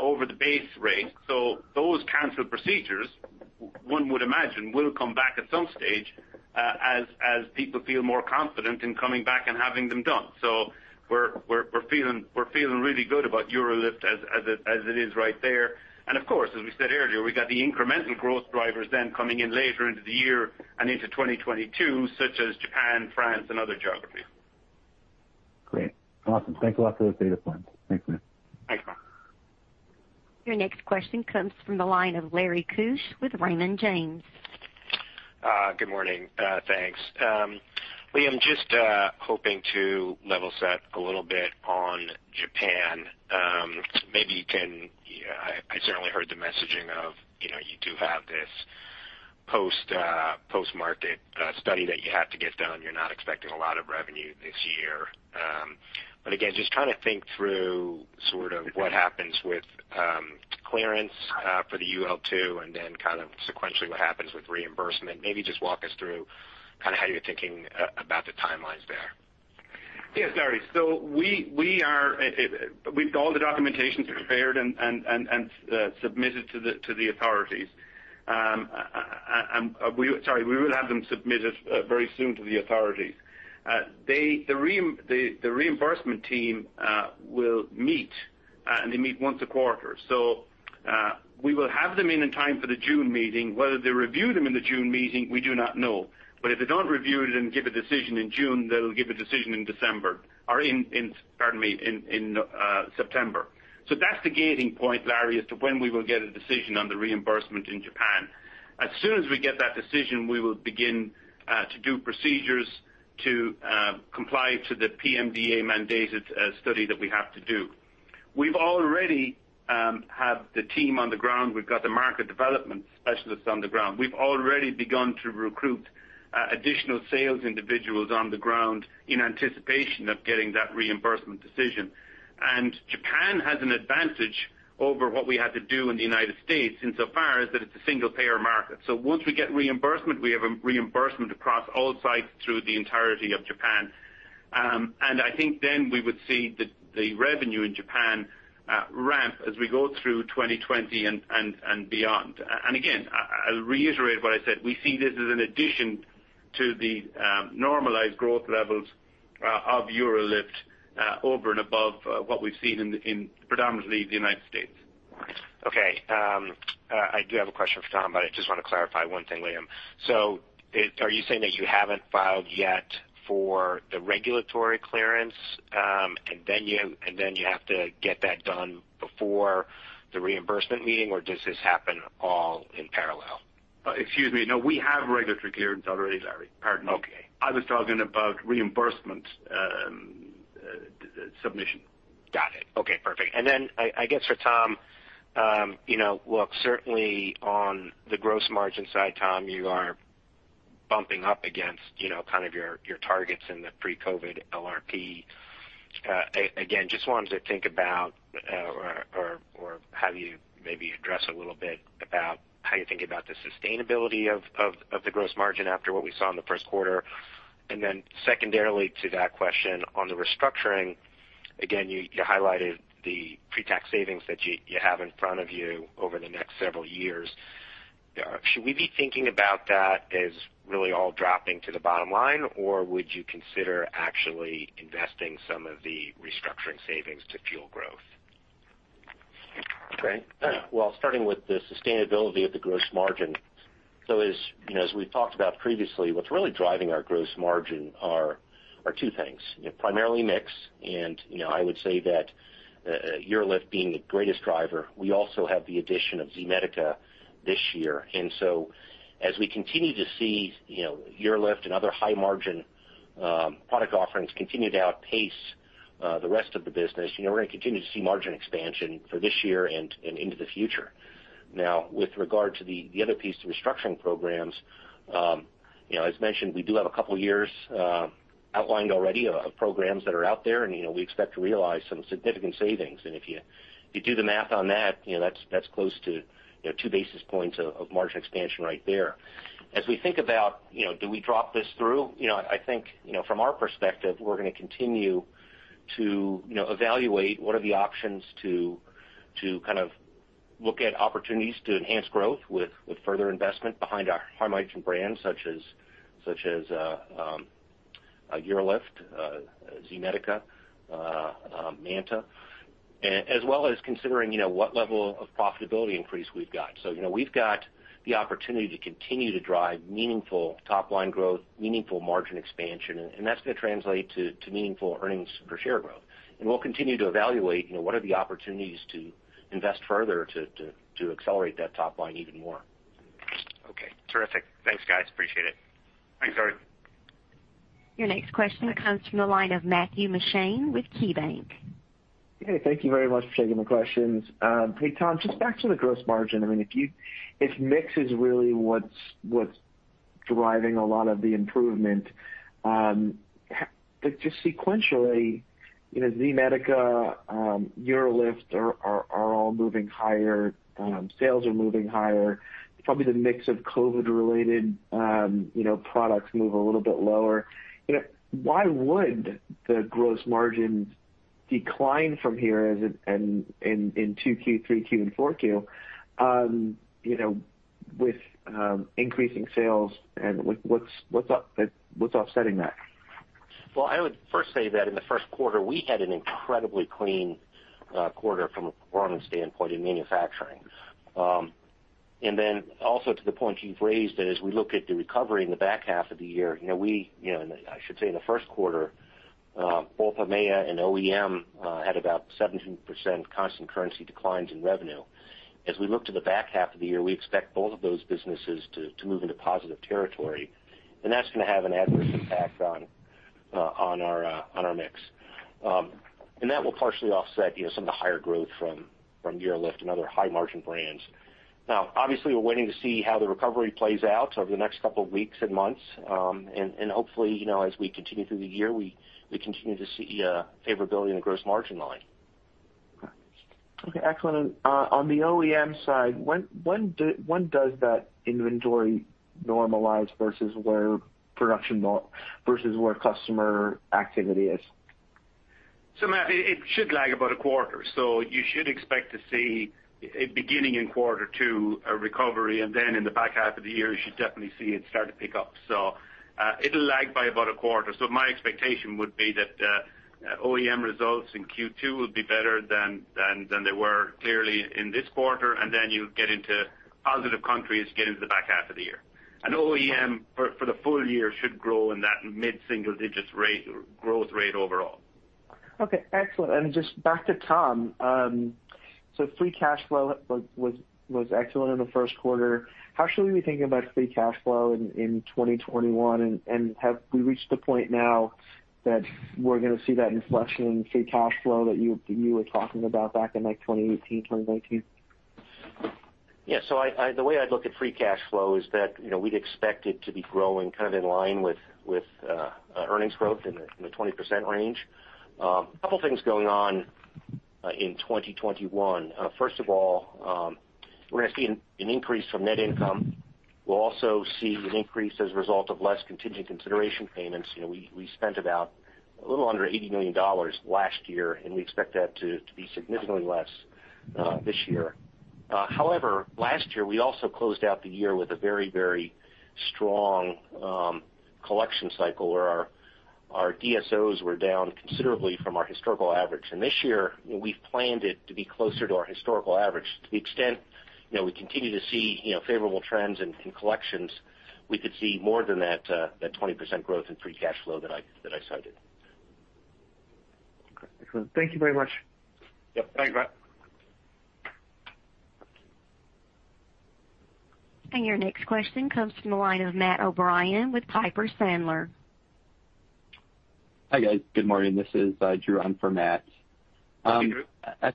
over the base rate. Those canceled procedures, one would imagine, will come back at some stage as people feel more confident in coming back and having them done. We're feeling really good about UroLift as it is right there. Of course, as we said earlier, we've got the incremental growth drivers then coming in later into the year and into 2022, such as Japan, France, and other geographies. Great. Awesome. Thanks a lot for those data points. Thanks, Matt. Your next question comes from the line of Larry Keusch with Raymond James. Good morning. Thanks. Liam, just hoping to level-set a little bit on Japan. I certainly heard the messaging of you do have this post-market study that you have to get done. You're not expecting a lot of revenue this year. Again, just trying to think through sort of what happens with clearance for the UroLift 2, and then kind of sequentially what happens with reimbursement. Maybe just walk us through how you're thinking about the timelines there. Yes, Larry. All the documentation's prepared and submitted to the authorities. Sorry, we will have them submitted very soon to the authorities. The reimbursement team will meet, and they meet once a quarter. We will have them in in time for the June meeting. Whether they review them in the June meeting, we do not know. If they don't review it and give a decision in June, they'll give a decision in December or in, pardon me, in September. That's the gating point, Larry, as to when we will get a decision on the reimbursement in Japan. As soon as we get that decision, we will begin to do procedures to comply to the PMDA-mandated study that we have to do. We've already had the team on the ground. We've got the market development specialists on the ground. We've already begun to recruit additional sales individuals on the ground in anticipation of getting that reimbursement decision. Japan has an advantage over what we had to do in the United States insofar as that it's a single-payer market. Once we get reimbursement, we have reimbursement across all sites through the entirety of Japan. I think then we would see the revenue in Japan ramp as we go through 2020 and beyond. Again, I'll reiterate what I said. We see this as an addition to the normalized growth levels of UroLift over and above what we've seen in predominantly the United States. I do have a question for Tom, but I just want to clarify one thing, Liam. Are you saying that you haven't filed yet for the regulatory clearance, and then you have to get that done before the reimbursement meeting, or does this happen all in parallel? Excuse me. No, we have regulatory clearance already, Larry. Pardon me. Okay. I was talking about reimbursement submission. Got it. Okay, perfect. Then I guess for Tom. Look, certainly on the gross margin side, Tom, you are. bumping up against kind of your targets in the pre-COVID LRP. Just wanted to think about or have you maybe address a little bit about how you think about the sustainability of the gross margin after what we saw in the first quarter. Secondarily to that question on the restructuring, again, you highlighted the pre-tax savings that you have in front of you over the next several years. Should we be thinking about that as really all dropping to the bottom line, or would you consider actually investing some of the restructuring savings to fuel growth? Okay. Well, starting with the sustainability of the gross margin. As we've talked about previously, what's really driving our gross margin are two things. Primarily mix, and I would say that UroLift being the greatest driver. We also have the addition of Z-Medica this year. As we continue to see UroLift and other high margin product offerings continue to outpace the rest of the business, we're going to continue to see margin expansion for this year and into the future. Now, with regard to the other piece, the restructuring programs, as mentioned, we do have a couple of years outlined already of programs that are out there, and we expect to realize some significant savings. If you do the math on that's close to two basis points of margin expansion right there. As we think about, do we drop this through? I think, from our perspective, we're going to continue to evaluate what are the options to kind of look at opportunities to enhance growth with further investment behind our high margin brands such as UroLift, Z-Medica, MANTA, as well as considering what level of profitability increase we've got. We've got the opportunity to continue to drive meaningful top line growth, meaningful margin expansion, and that's going to translate to meaningful earnings per share growth. We'll continue to evaluate what are the opportunities to invest further to accelerate that top line even more. Okay, terrific. Thanks, guys. Appreciate it. Thanks, Larry. Your next question comes from the line of Matthew Mishan with KeyBanc. Hey, thank you very much for taking my questions. Hey, Tom, just back to the gross margin. If mix is really what's driving a lot of the improvement, just sequentially, Z-Medica, UroLift are all moving higher. Sales are moving higher. Probably the mix of COVID related products move a little bit lower. Why would the gross margin decline from here in 2Q, 3Q, and 4Q with increasing sales, and what's offsetting that? I would first say that in the first quarter, we had an incredibly clean quarter from a performance standpoint in manufacturing. Also to the point you've raised, as we look at the recovery in the back half of the year, I should say in the first quarter, both EMEA and OEM had about 17% constant currency declines in revenue. As we look to the back half of the year, we expect both of those businesses to move into positive territory, and that's going to have an adverse impact on our mix. That will partially offset some of the higher growth from UroLift and other high margin brands. Obviously, we're waiting to see how the recovery plays out over the next couple of weeks and months. Hopefully, as we continue through the year, we continue to see favorability in the gross margin line. Okay. Excellent. On the OEM side, when does that inventory normalize versus where customer activity is? Matthew, it should lag about a quarter. You should expect to see it beginning in Q2, a recovery, and then in the back half of the year, you should definitely see it start to pick up. It'll lag by about a quarter. My expectation would be that OEM results in Q2 will be better than they were clearly in this quarter, and then you get into positive comps, get into the back half of the year. OEM for the full year should grow in that mid single digits growth rate overall. Okay, excellent. Just back to Tom. Free cash flow was excellent in the first quarter. How should we be thinking about free cash flow in 2021, and have we reached the point now that we're going to see that inflection in free cash flow that you were talking about back in like 2018, 2019? The way I'd look at free cash flow is that we'd expect it to be growing kind of in line with earnings growth in the 20% range. Couple things going on in 2021. First of all, we're going to see an increase from net income. We'll also see an increase as a result of less contingent consideration payments. We spent about a little under $80 million last year, and we expect that to be significantly less this year. However, last year, we also closed out the year with a very, very strong collection cycle where our DSOs were down considerably from our historical average. This year, we've planned it to be closer to our historical average. To the extent we continue to see favorable trends in collections, we could see more than that 20% growth in free cash flow that I cited. Okay, excellent. Thank you very much. Yep. Thanks, Matt. Your next question comes from the line of Matt O'Brien with Piper Sandler. Hi guys, good morning. This is Drew in for Matt. Thank you, Drew. I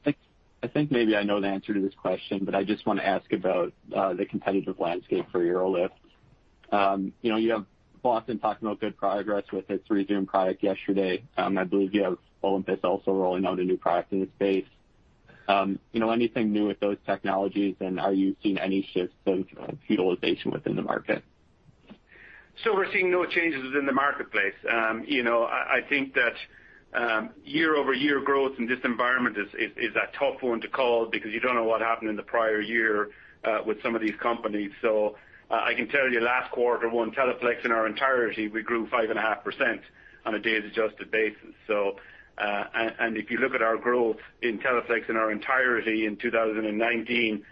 think maybe I know the answer to this question, but I just want to ask about the competitive landscape for UroLift. You have Boston talking about good progress with its Rezūm product yesterday. I believe you have Olympus also rolling out a new product in the space. Anything new with those technologies, and are you seeing any shifts in utilization within the market? We are seeing no changes within the marketplace. I think that year-over-year growth in this environment is a tough one to call because you don't know what happened in the prior year with some of these companies. I can tell you last quarter, one, Teleflex in our entirety, we grew 5.5% on a days-adjusted basis. If you look at our growth in Teleflex in our entirety in 2019,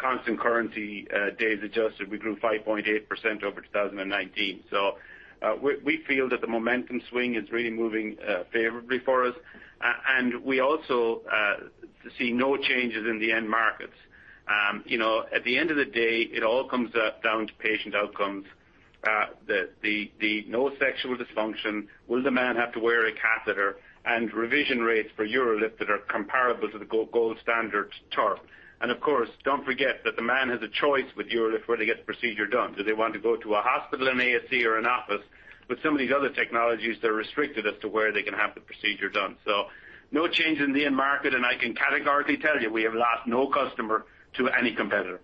constant currency, days-adjusted, we grew 5.8% over 2019. We feel that the momentum swing is really moving favorably for us, and we also see no changes in the end markets. At the end of the day, it all comes down to patient outcomes. The no sexual dysfunction. Will the man have to wear a catheter? Revision rates for UroLift that are comparable to the gold standard, TURP. Of course, don't forget that the man has a choice with UroLift where they get the procedure done. Do they want to go to a hospital, an ASC, or an office? With some of these other technologies, they're restricted as to where they can have the procedure done. No change in the end market, and I can categorically tell you, we have lost no customer to any competitor.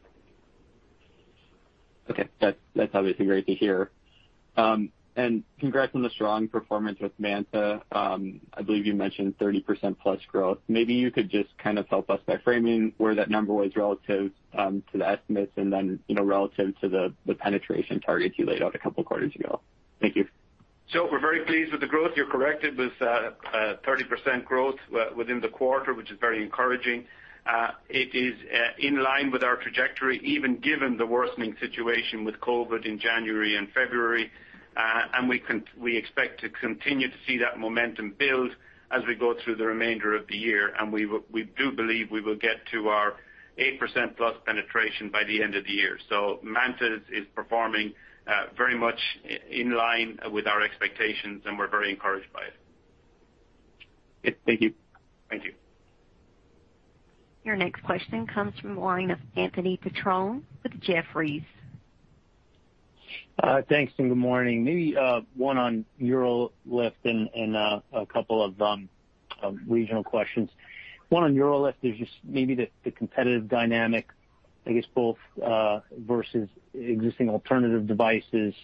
Okay. That's obviously great to hear. Congrats on the strong performance with MANTA. I believe you mentioned 30%+ growth. Maybe you could just kind of help us by framing where that number was relative to the estimates and then relative to the penetration targets you laid out a couple of quarters ago. Thank you. We're very pleased with the growth. You're correct. It was 30% growth within the quarter, which is very encouraging. It is in line with our trajectory, even given the worsening situation with COVID in January and February. We expect to continue to see that momentum build as we go through the remainder of the year. We do believe we will get to our 8% plus penetration by the end of the year. MANTA is performing very much in line with our expectations, and we're very encouraged by it. Good. Thank you. Thank you. Your next question comes from the line of Anthony Petrone with Jefferies. Thanks, and good morning. Maybe one on UroLift and a couple of regional questions. One on UroLift is just maybe the competitive dynamic, I guess both versus existing alternative devices.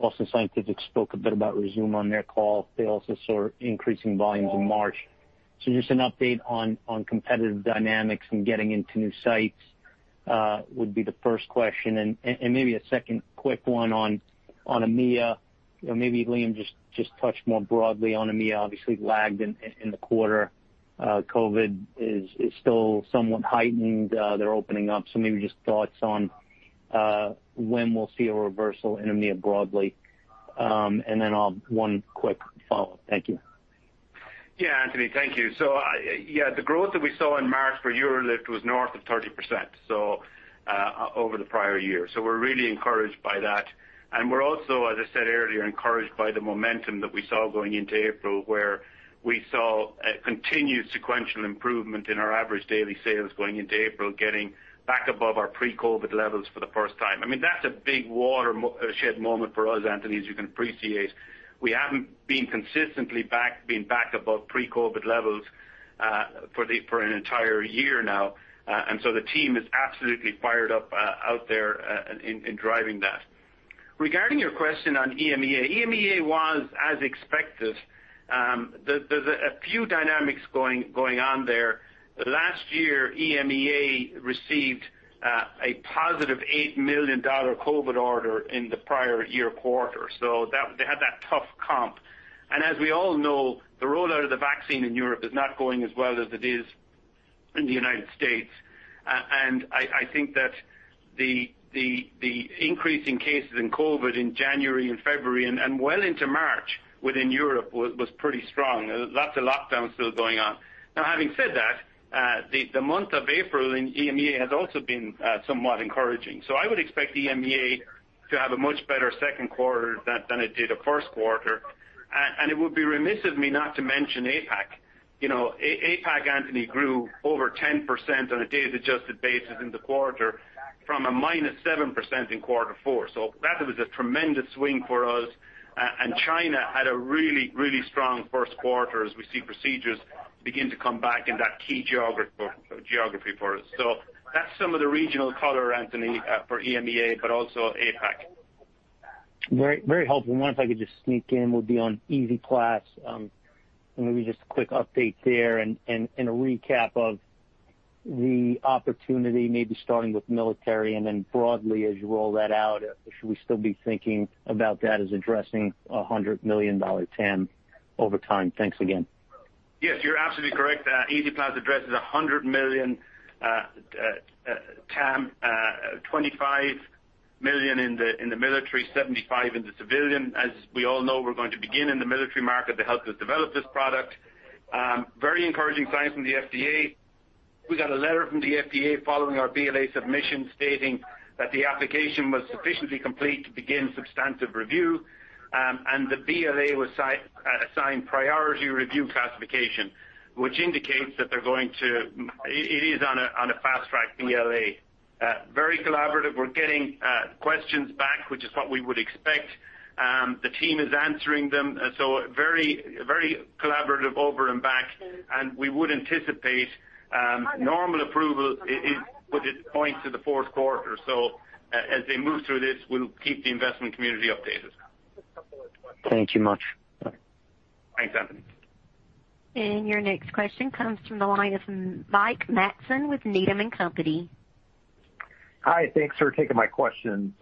Boston Scientific spoke a bit about Rezūm on their call. They also saw increasing volumes in March. Just an update on competitive dynamics and getting into new sites would be the first question. Maybe a second quick one on EMEA, maybe Liam just touch more broadly on EMEA, obviously lagged in the quarter. COVID is still somewhat heightened. They're opening up, maybe just thoughts on when we'll see a reversal in EMEA broadly. One quick follow-up. Thank you. Anthony, thank you. The growth that we saw in March for UroLift was north of 30% over the prior year. We're also, as I said earlier, encouraged by the momentum that we saw going into April, where we saw a continued sequential improvement in our average daily sales going into April, getting back above our pre-COVID levels for the first time. I mean, that's a big watershed moment for us, Anthony, as you can appreciate. We haven't been consistently back above pre-COVID levels for an entire year now. The team is absolutely fired up out there in driving that. Regarding your question on EMEA. EMEA was as expected. There's a few dynamics going on there. Last year, EMEA received a positive $8 million COVID order in the prior year quarter, they had that tough comp. As we all know, the rollout of the vaccine in Europe is not going as well as it is in the United States. I think that the increase in cases in COVID in January and February and well into March within Europe was pretty strong. Lots of lockdowns still going on. Now, having said that, the month of April in EMEA has also been somewhat encouraging. I would expect EMEA to have a much better second quarter than it did a first quarter. It would be remiss of me not to mention APAC. APAC, Anthony, grew over 10% on a days-adjusted basis in the quarter from a -7% in Q4. That was a tremendous swing for us. China had a really strong first quarter as we see procedures begin to come back in that key geography for us. That's some of the regional color, Anthony, for EMEA, but also APAC. Very helpful. One, if I could just sneak in, would be on EZ-Clasp. Maybe just a quick update there and a recap of the opportunity, maybe starting with military and then broadly as you roll that out, should we still be thinking about that as addressing a $100 million TAM over time? Thanks again. Yes, you're absolutely correct. EZ-Clasp addresses $100 million TAM, $25 million in the military, $75 in the civilian. As we all know, we're going to begin in the military market. They helped us develop this product. Very encouraging signs from the FDA. We got a letter from the FDA following our BLA submission stating that the application was sufficiently complete to begin substantive review, and the BLA was assigned priority review classification, which indicates that it is on a fast track BLA. Very collaborative. We're getting questions back, which is what we would expect. The team is answering them, so very collaborative over and back, and we would anticipate normal approval, but it points to the fourth quarter. As they move through this, we'll keep the investment community updated. Thank you much. Thanks, Anthony. Your next question comes from the line of Mike Matson with Needham & Company. Hi. Thanks for taking my questions.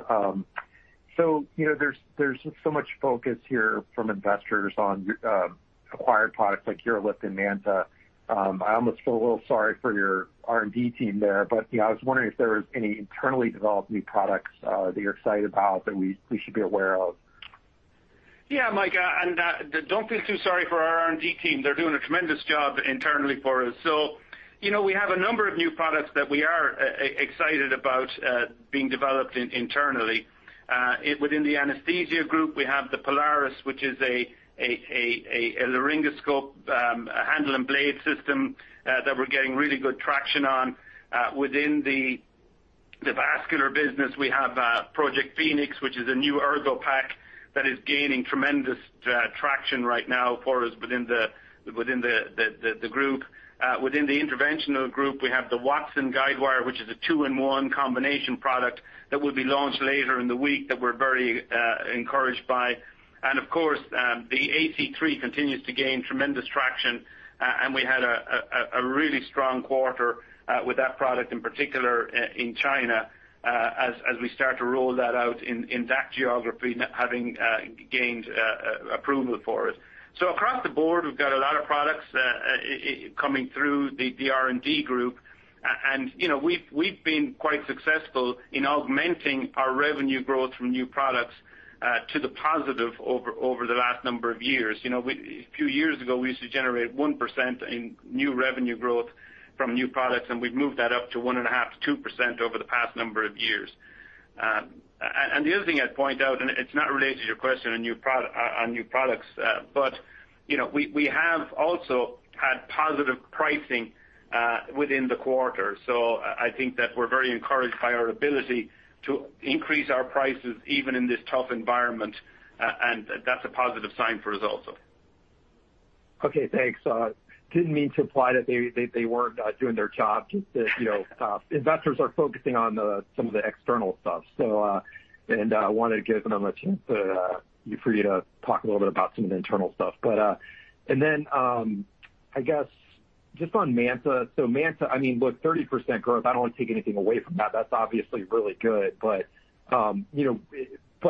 There's so much focus here from investors on acquired products like UroLift and MANTA. I almost feel a little sorry for your R&D team there, but I was wondering if there was any internally developed new products that you're excited about that we should be aware of. Yeah, Mike, don't feel too sorry for our R&D team. They're doing a tremendous job internally for us. We have a number of new products that we are excited about being developed internally. Within the anesthesia group, we have the Polaris, which is a laryngoscope, a handle and blade system that we're getting really good traction on. Within the vascular business, we have Project Phoenix, which is a new ErgoPack that is gaining tremendous traction right now for us within the group. Within the interventional group, we have the Wattson Guidewire, which is a two-in-one combination product that will be launched later in the week that we're very encouraged by. Of course, the AC3 continues to gain tremendous traction, and we had a really strong quarter with that product, in particular in China, as we start to roll that out in that geography, having gained approval for it. Across the board, we've got a lot of products coming through the R&D group. We've been quite successful in augmenting our revenue growth from new products to the positive over the last number of years. A few years ago, we used to generate 1% in new revenue growth from new products, and we've moved that up to 1.5%-2% over the past number of years. The other thing I'd point out, and it's not related to your question on new products, but we have also had positive pricing within the quarter. I think that we're very encouraged by our ability to increase our prices even in this tough environment, and that's a positive sign for us also. Okay, thanks. Didn't mean to imply that they weren't doing their job. Just that investors are focusing on some of the external stuff. I wanted to give them a chance for you to talk a little bit about some of the internal stuff. Then, I guess just on MANTA. MANTA, look, 30% growth, I don't want to take anything away from that. That's obviously really good.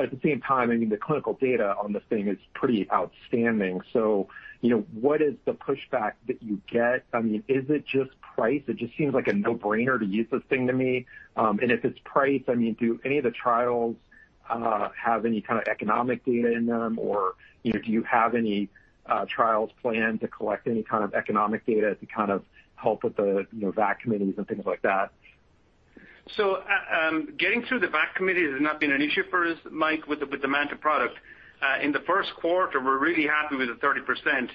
At the same time, the clinical data on this thing is pretty outstanding. What is the pushback that you get? Is it just price? It just seems like a no-brainer to use this thing to me. If it's price, do any of the trials have any kind of economic data in them? Do you have any trials planned to collect any kind of economic data to kind of help with the VAC committees and things like that? Getting through the VAC committee has not been an issue for us, Mike, with the MANTA product. In the first quarter, we're really happy with the 30%.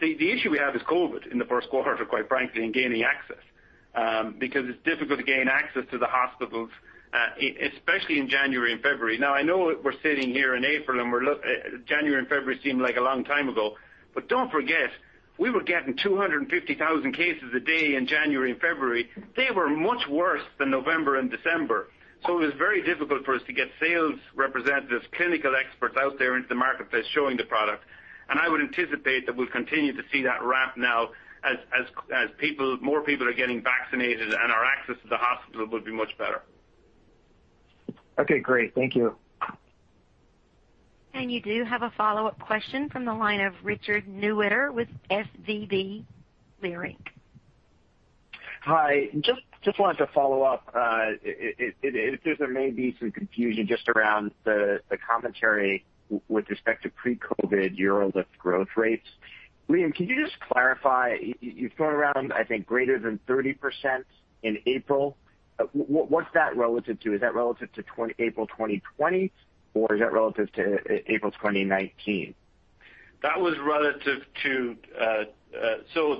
The issue we have is COVID in the first quarter, quite frankly, in gaining access. It's difficult to gain access to the hospitals, especially in January and February. I know we're sitting here in April, and January and February seem like a long time ago. Don't forget, we were getting 250,000 cases a day in January and February. They were much worse than November and December. It was very difficult for us to get sales representatives, clinical experts out there into the marketplace showing the product. I would anticipate that we'll continue to see that ramp now as more people are getting vaccinated and our access to the hospital will be much better. Okay, great. Thank you. You do have a follow-up question from the line of Richard Newitter with SVB Leerink. Hi. Just wanted to follow up. There may be some confusion just around the commentary with respect to pre-COVID UroLift growth rates. Liam, can you just clarify? You've thrown around, I think, greater than 30% in April. What's that relative to? Is that relative to April 2020, or is that relative to April 2019? The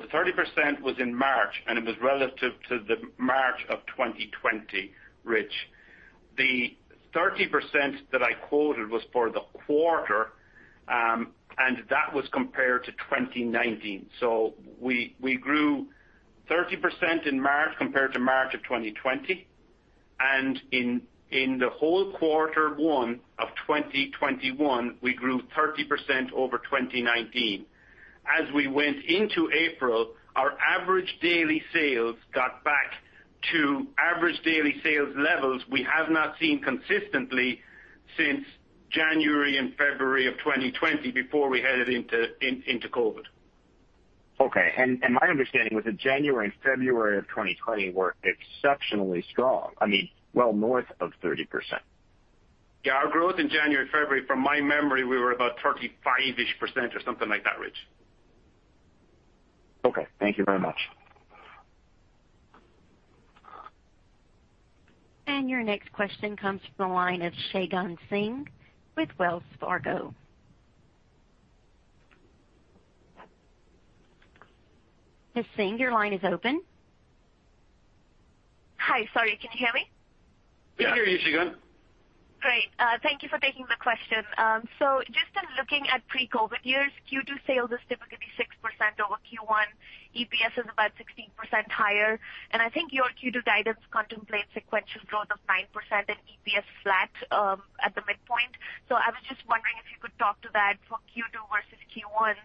30% was in March, and it was relative to the March of 2020, Rich. The 30% that I quoted was for the quarter, and that was compared to 2019. We grew 30% in March compared to March of 2020. In the whole quarter one of 2021, we grew 30% over 2019. As we went into April, our average daily sales got back to average daily sales levels we have not seen consistently since January and February of 2020, before we headed into COVID. Okay. My understanding was that January and February of 2020 were exceptionally strong, well north of 30%. Yeah. Our growth in January and February, from my memory, we were about 35%-ish or something like that, Rich. Okay. Thank you very much. Your next question comes from the line of Shagun Singh with Wells Fargo. Ms. Singh, your line is open. Hi. Sorry, can you hear me? Yeah. We hear you, Shagun. Great. Thank you for taking the question. Just in looking at pre-COVID years, Q2 sales is typically 6% over Q1. EPS is about 16% higher. I think your Q2 guidance contemplates sequential growth of 9% and EPS flat at the midpoint. I was just wondering if you could talk to that from Q2 versus Q1.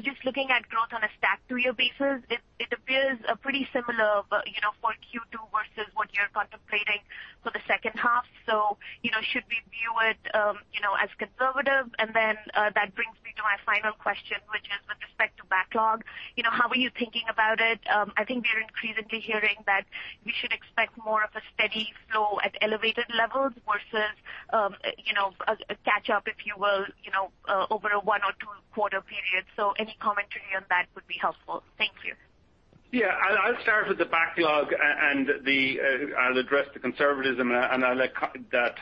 Just looking at growth on a stack two-year basis, it appears pretty similar for Q2 versus what you're contemplating for the second half. Should we view it as conservative? That brings me to my final question, which is with respect to backlog. How are you thinking about it? I think we're increasingly hearing that we should expect more of a steady flow at elevated levels versus a catch-up, if you will, over a one or two quarter period. Any commentary on that would be helpful. Thank you. Yeah. I'll start with the backlog, and I'll address the conservatism, and I'll let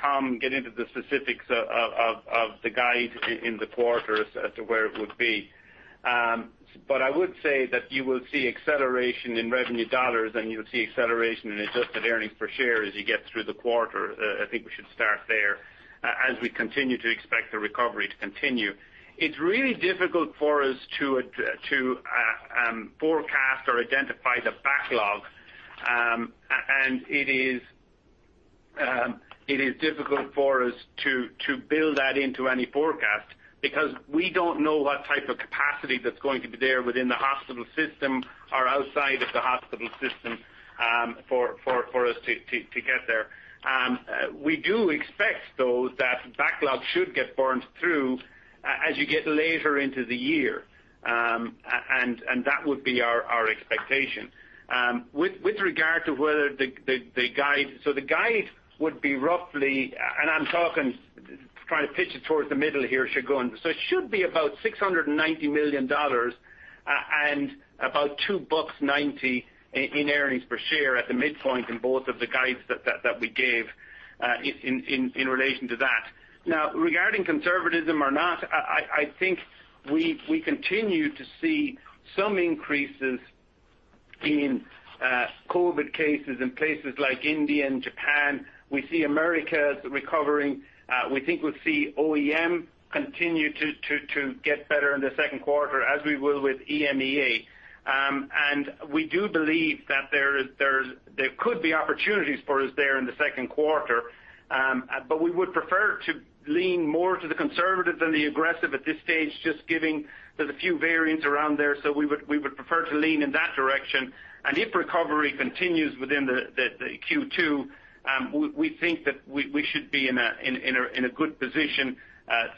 Tom get into the specifics of the guide in the quarter as to where it would be. I would say that you will see acceleration in revenue dollars, and you'll see acceleration in adjusted earnings per share as you get through the quarter. I think we should start there. As we continue to expect the recovery to continue, it's really difficult for us to forecast or identify the backlog. It is difficult for us to build that into any forecast because we don't know what type of capacity that's going to be there within the hospital system or outside of the hospital system for us to get there. We do expect, though, that backlog should get burned through as you get later into the year. That would be our expectation. With regard to whether the guide would be roughly, and I'm trying to pitch it towards the middle here, Shagun. It should be about $690 million, and about $2.90 in earnings per share at the midpoint in both of the guides that we gave in relation to that. Now regarding conservatism or not, I think we continue to see some increases in COVID cases in places like India and Japan. We see Americas recovering. We think we'll see OEM continue to get better in the second quarter as we will with EMEA. We do believe that there could be opportunities for us there in the second quarter. We would prefer to lean more to the conservative than the aggressive at this stage, just There's a few variants around there. We would prefer to lean in that direction. If recovery continues within the Q2, we think that we should be in a good position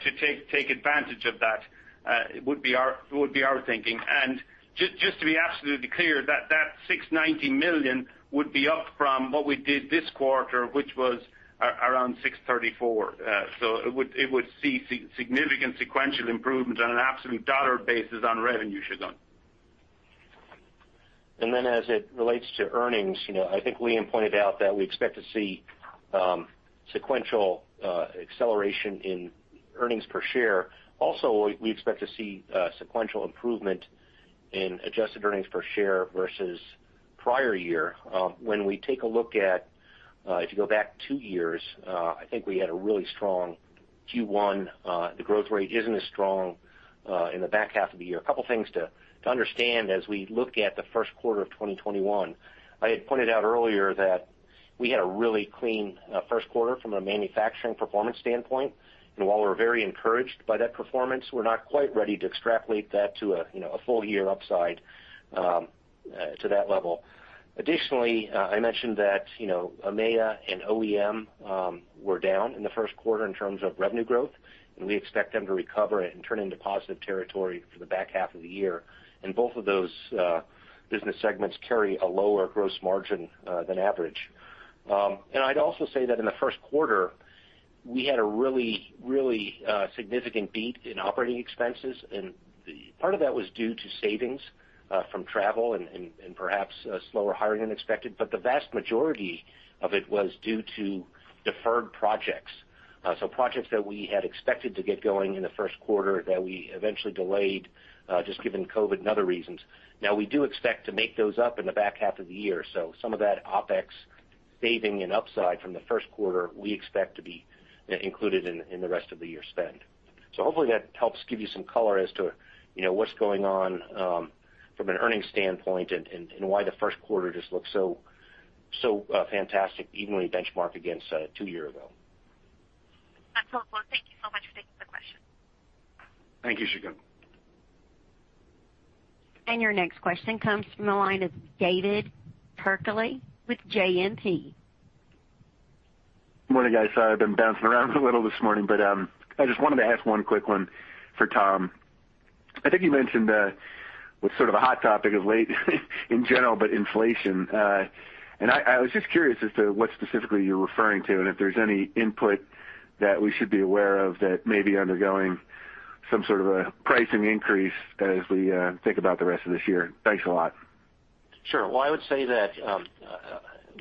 to take advantage of that, would be our thinking. Just to be absolutely clear, that $690 million would be up from what we did this quarter, which was around $634. It would see significant sequential improvement on an absolute dollar basis on revenue, Shagun. As it relates to earnings, I think Liam pointed out that we expect to see sequential acceleration in earnings per share. Also, we expect to see sequential improvement in adjusted earnings per share versus prior year. When we take a look at, if you go back two years, I think we had a really strong Q1. The growth rate isn't as strong in the back half of the year. A couple things to understand as we look at the first quarter of 2021. I had pointed out earlier that we had a really clean first quarter from a manufacturing performance standpoint. While we're very encouraged by that performance, we're not quite ready to extrapolate that to a full-year upside to that level. I mentioned that EMEA and OEM were down in the first quarter in terms of revenue growth. We expect them to recover and turn into positive territory for the back half of the year. Both of those business segments carry a lower gross margin than average. I'd also say that in the first quarter, we had a really significant beat in operating expenses, and part of that was due to savings from travel and perhaps slower hiring than expected. The vast majority of it was due to deferred projects. Projects that we had expected to get going in the first quarter that we eventually delayed, just given COVID and other reasons. We do expect to make those up in the back half of the year. Some of that OpEx saving and upside from the first quarter, we expect to be included in the rest of the year spend. Hopefully that helps give you some color as to what's going on from an earnings standpoint and why the first quarter just looks so fantastic even when you benchmark against two year ago. That's helpful. Thank you so much for taking the question. Thank you, Shagun. Your next question comes from the line of David Turkaly with JMP. Morning, guys. Sorry, I've been bouncing around a little this morning, but I just wanted to ask one quick one for Tom. I think you mentioned what's sort of a hot topic of late in general, but inflation. I was just curious as to what specifically you're referring to and if there's any input that we should be aware of that may be undergoing some sort of a pricing increase as we think about the rest of this year. Thanks a lot. Sure. Well, I would say that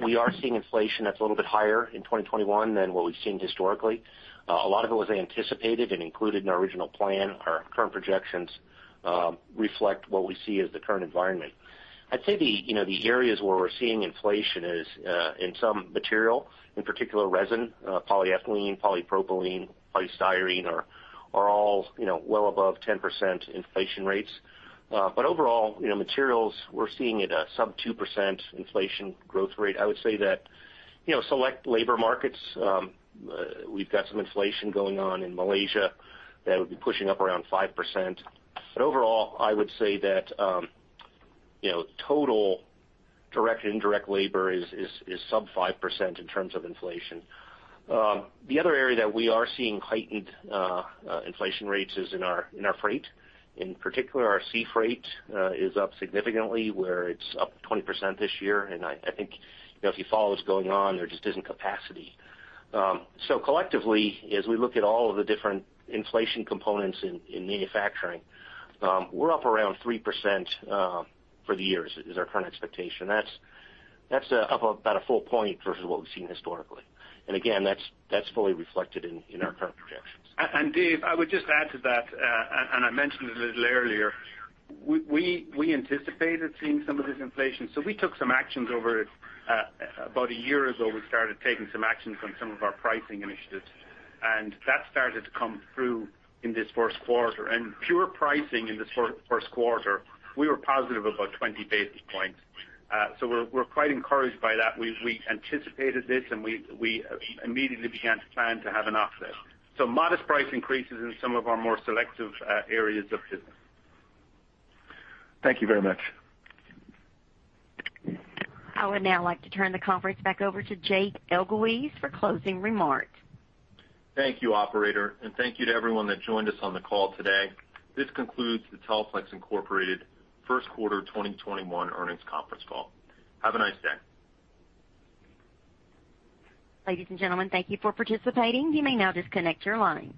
we are seeing inflation that's a little bit higher in 2021 than what we've seen historically. A lot of it was anticipated and included in our original plan. Our current projections reflect what we see as the current environment. I'd say the areas where we're seeing inflation is in some material, in particular resin, polyethylene, polypropylene, polystyrene are all well above 10% inflation rates. Overall, materials, we're seeing at a sub 2% inflation growth rate. I would say that select labor markets, we've got some inflation going on in Malaysia that would be pushing up around 5%. Overall, I would say that total direct and indirect labor is sub 5% in terms of inflation. The other area that we are seeing heightened inflation rates is in our freight. In particular, our sea freight is up significantly, where it's up 20% this year. I think if you follow what's going on, there just isn't capacity. Collectively, as we look at all of the different inflation components in manufacturing, we're up around 3% for the year is our current expectation. That's up about a full point versus what we've seen historically. Again, that's fully reflected in our current projections. David, I would just add to that, and I mentioned it a little earlier, we anticipated seeing some of this inflation. We took some actions over about one year ago. We started taking some actions on some of our pricing initiatives, and that started to come through in this first quarter. Pure pricing in the first quarter, we were positive about 20 basis points. We're quite encouraged by that. We anticipated this, and we immediately began to plan to have an offset. Modest price increases in some of our more selective areas of business. Thank you very much. I would now like to turn the conference back over to Jake Elguicze for closing remarks. Thank you, operator, and thank you to everyone that joined us on the call today. This concludes the Teleflex Incorporated first quarter 2021 earnings conference call. Have a nice day. Ladies and gentlemen, thank you for participating. You may now disconnect your lines.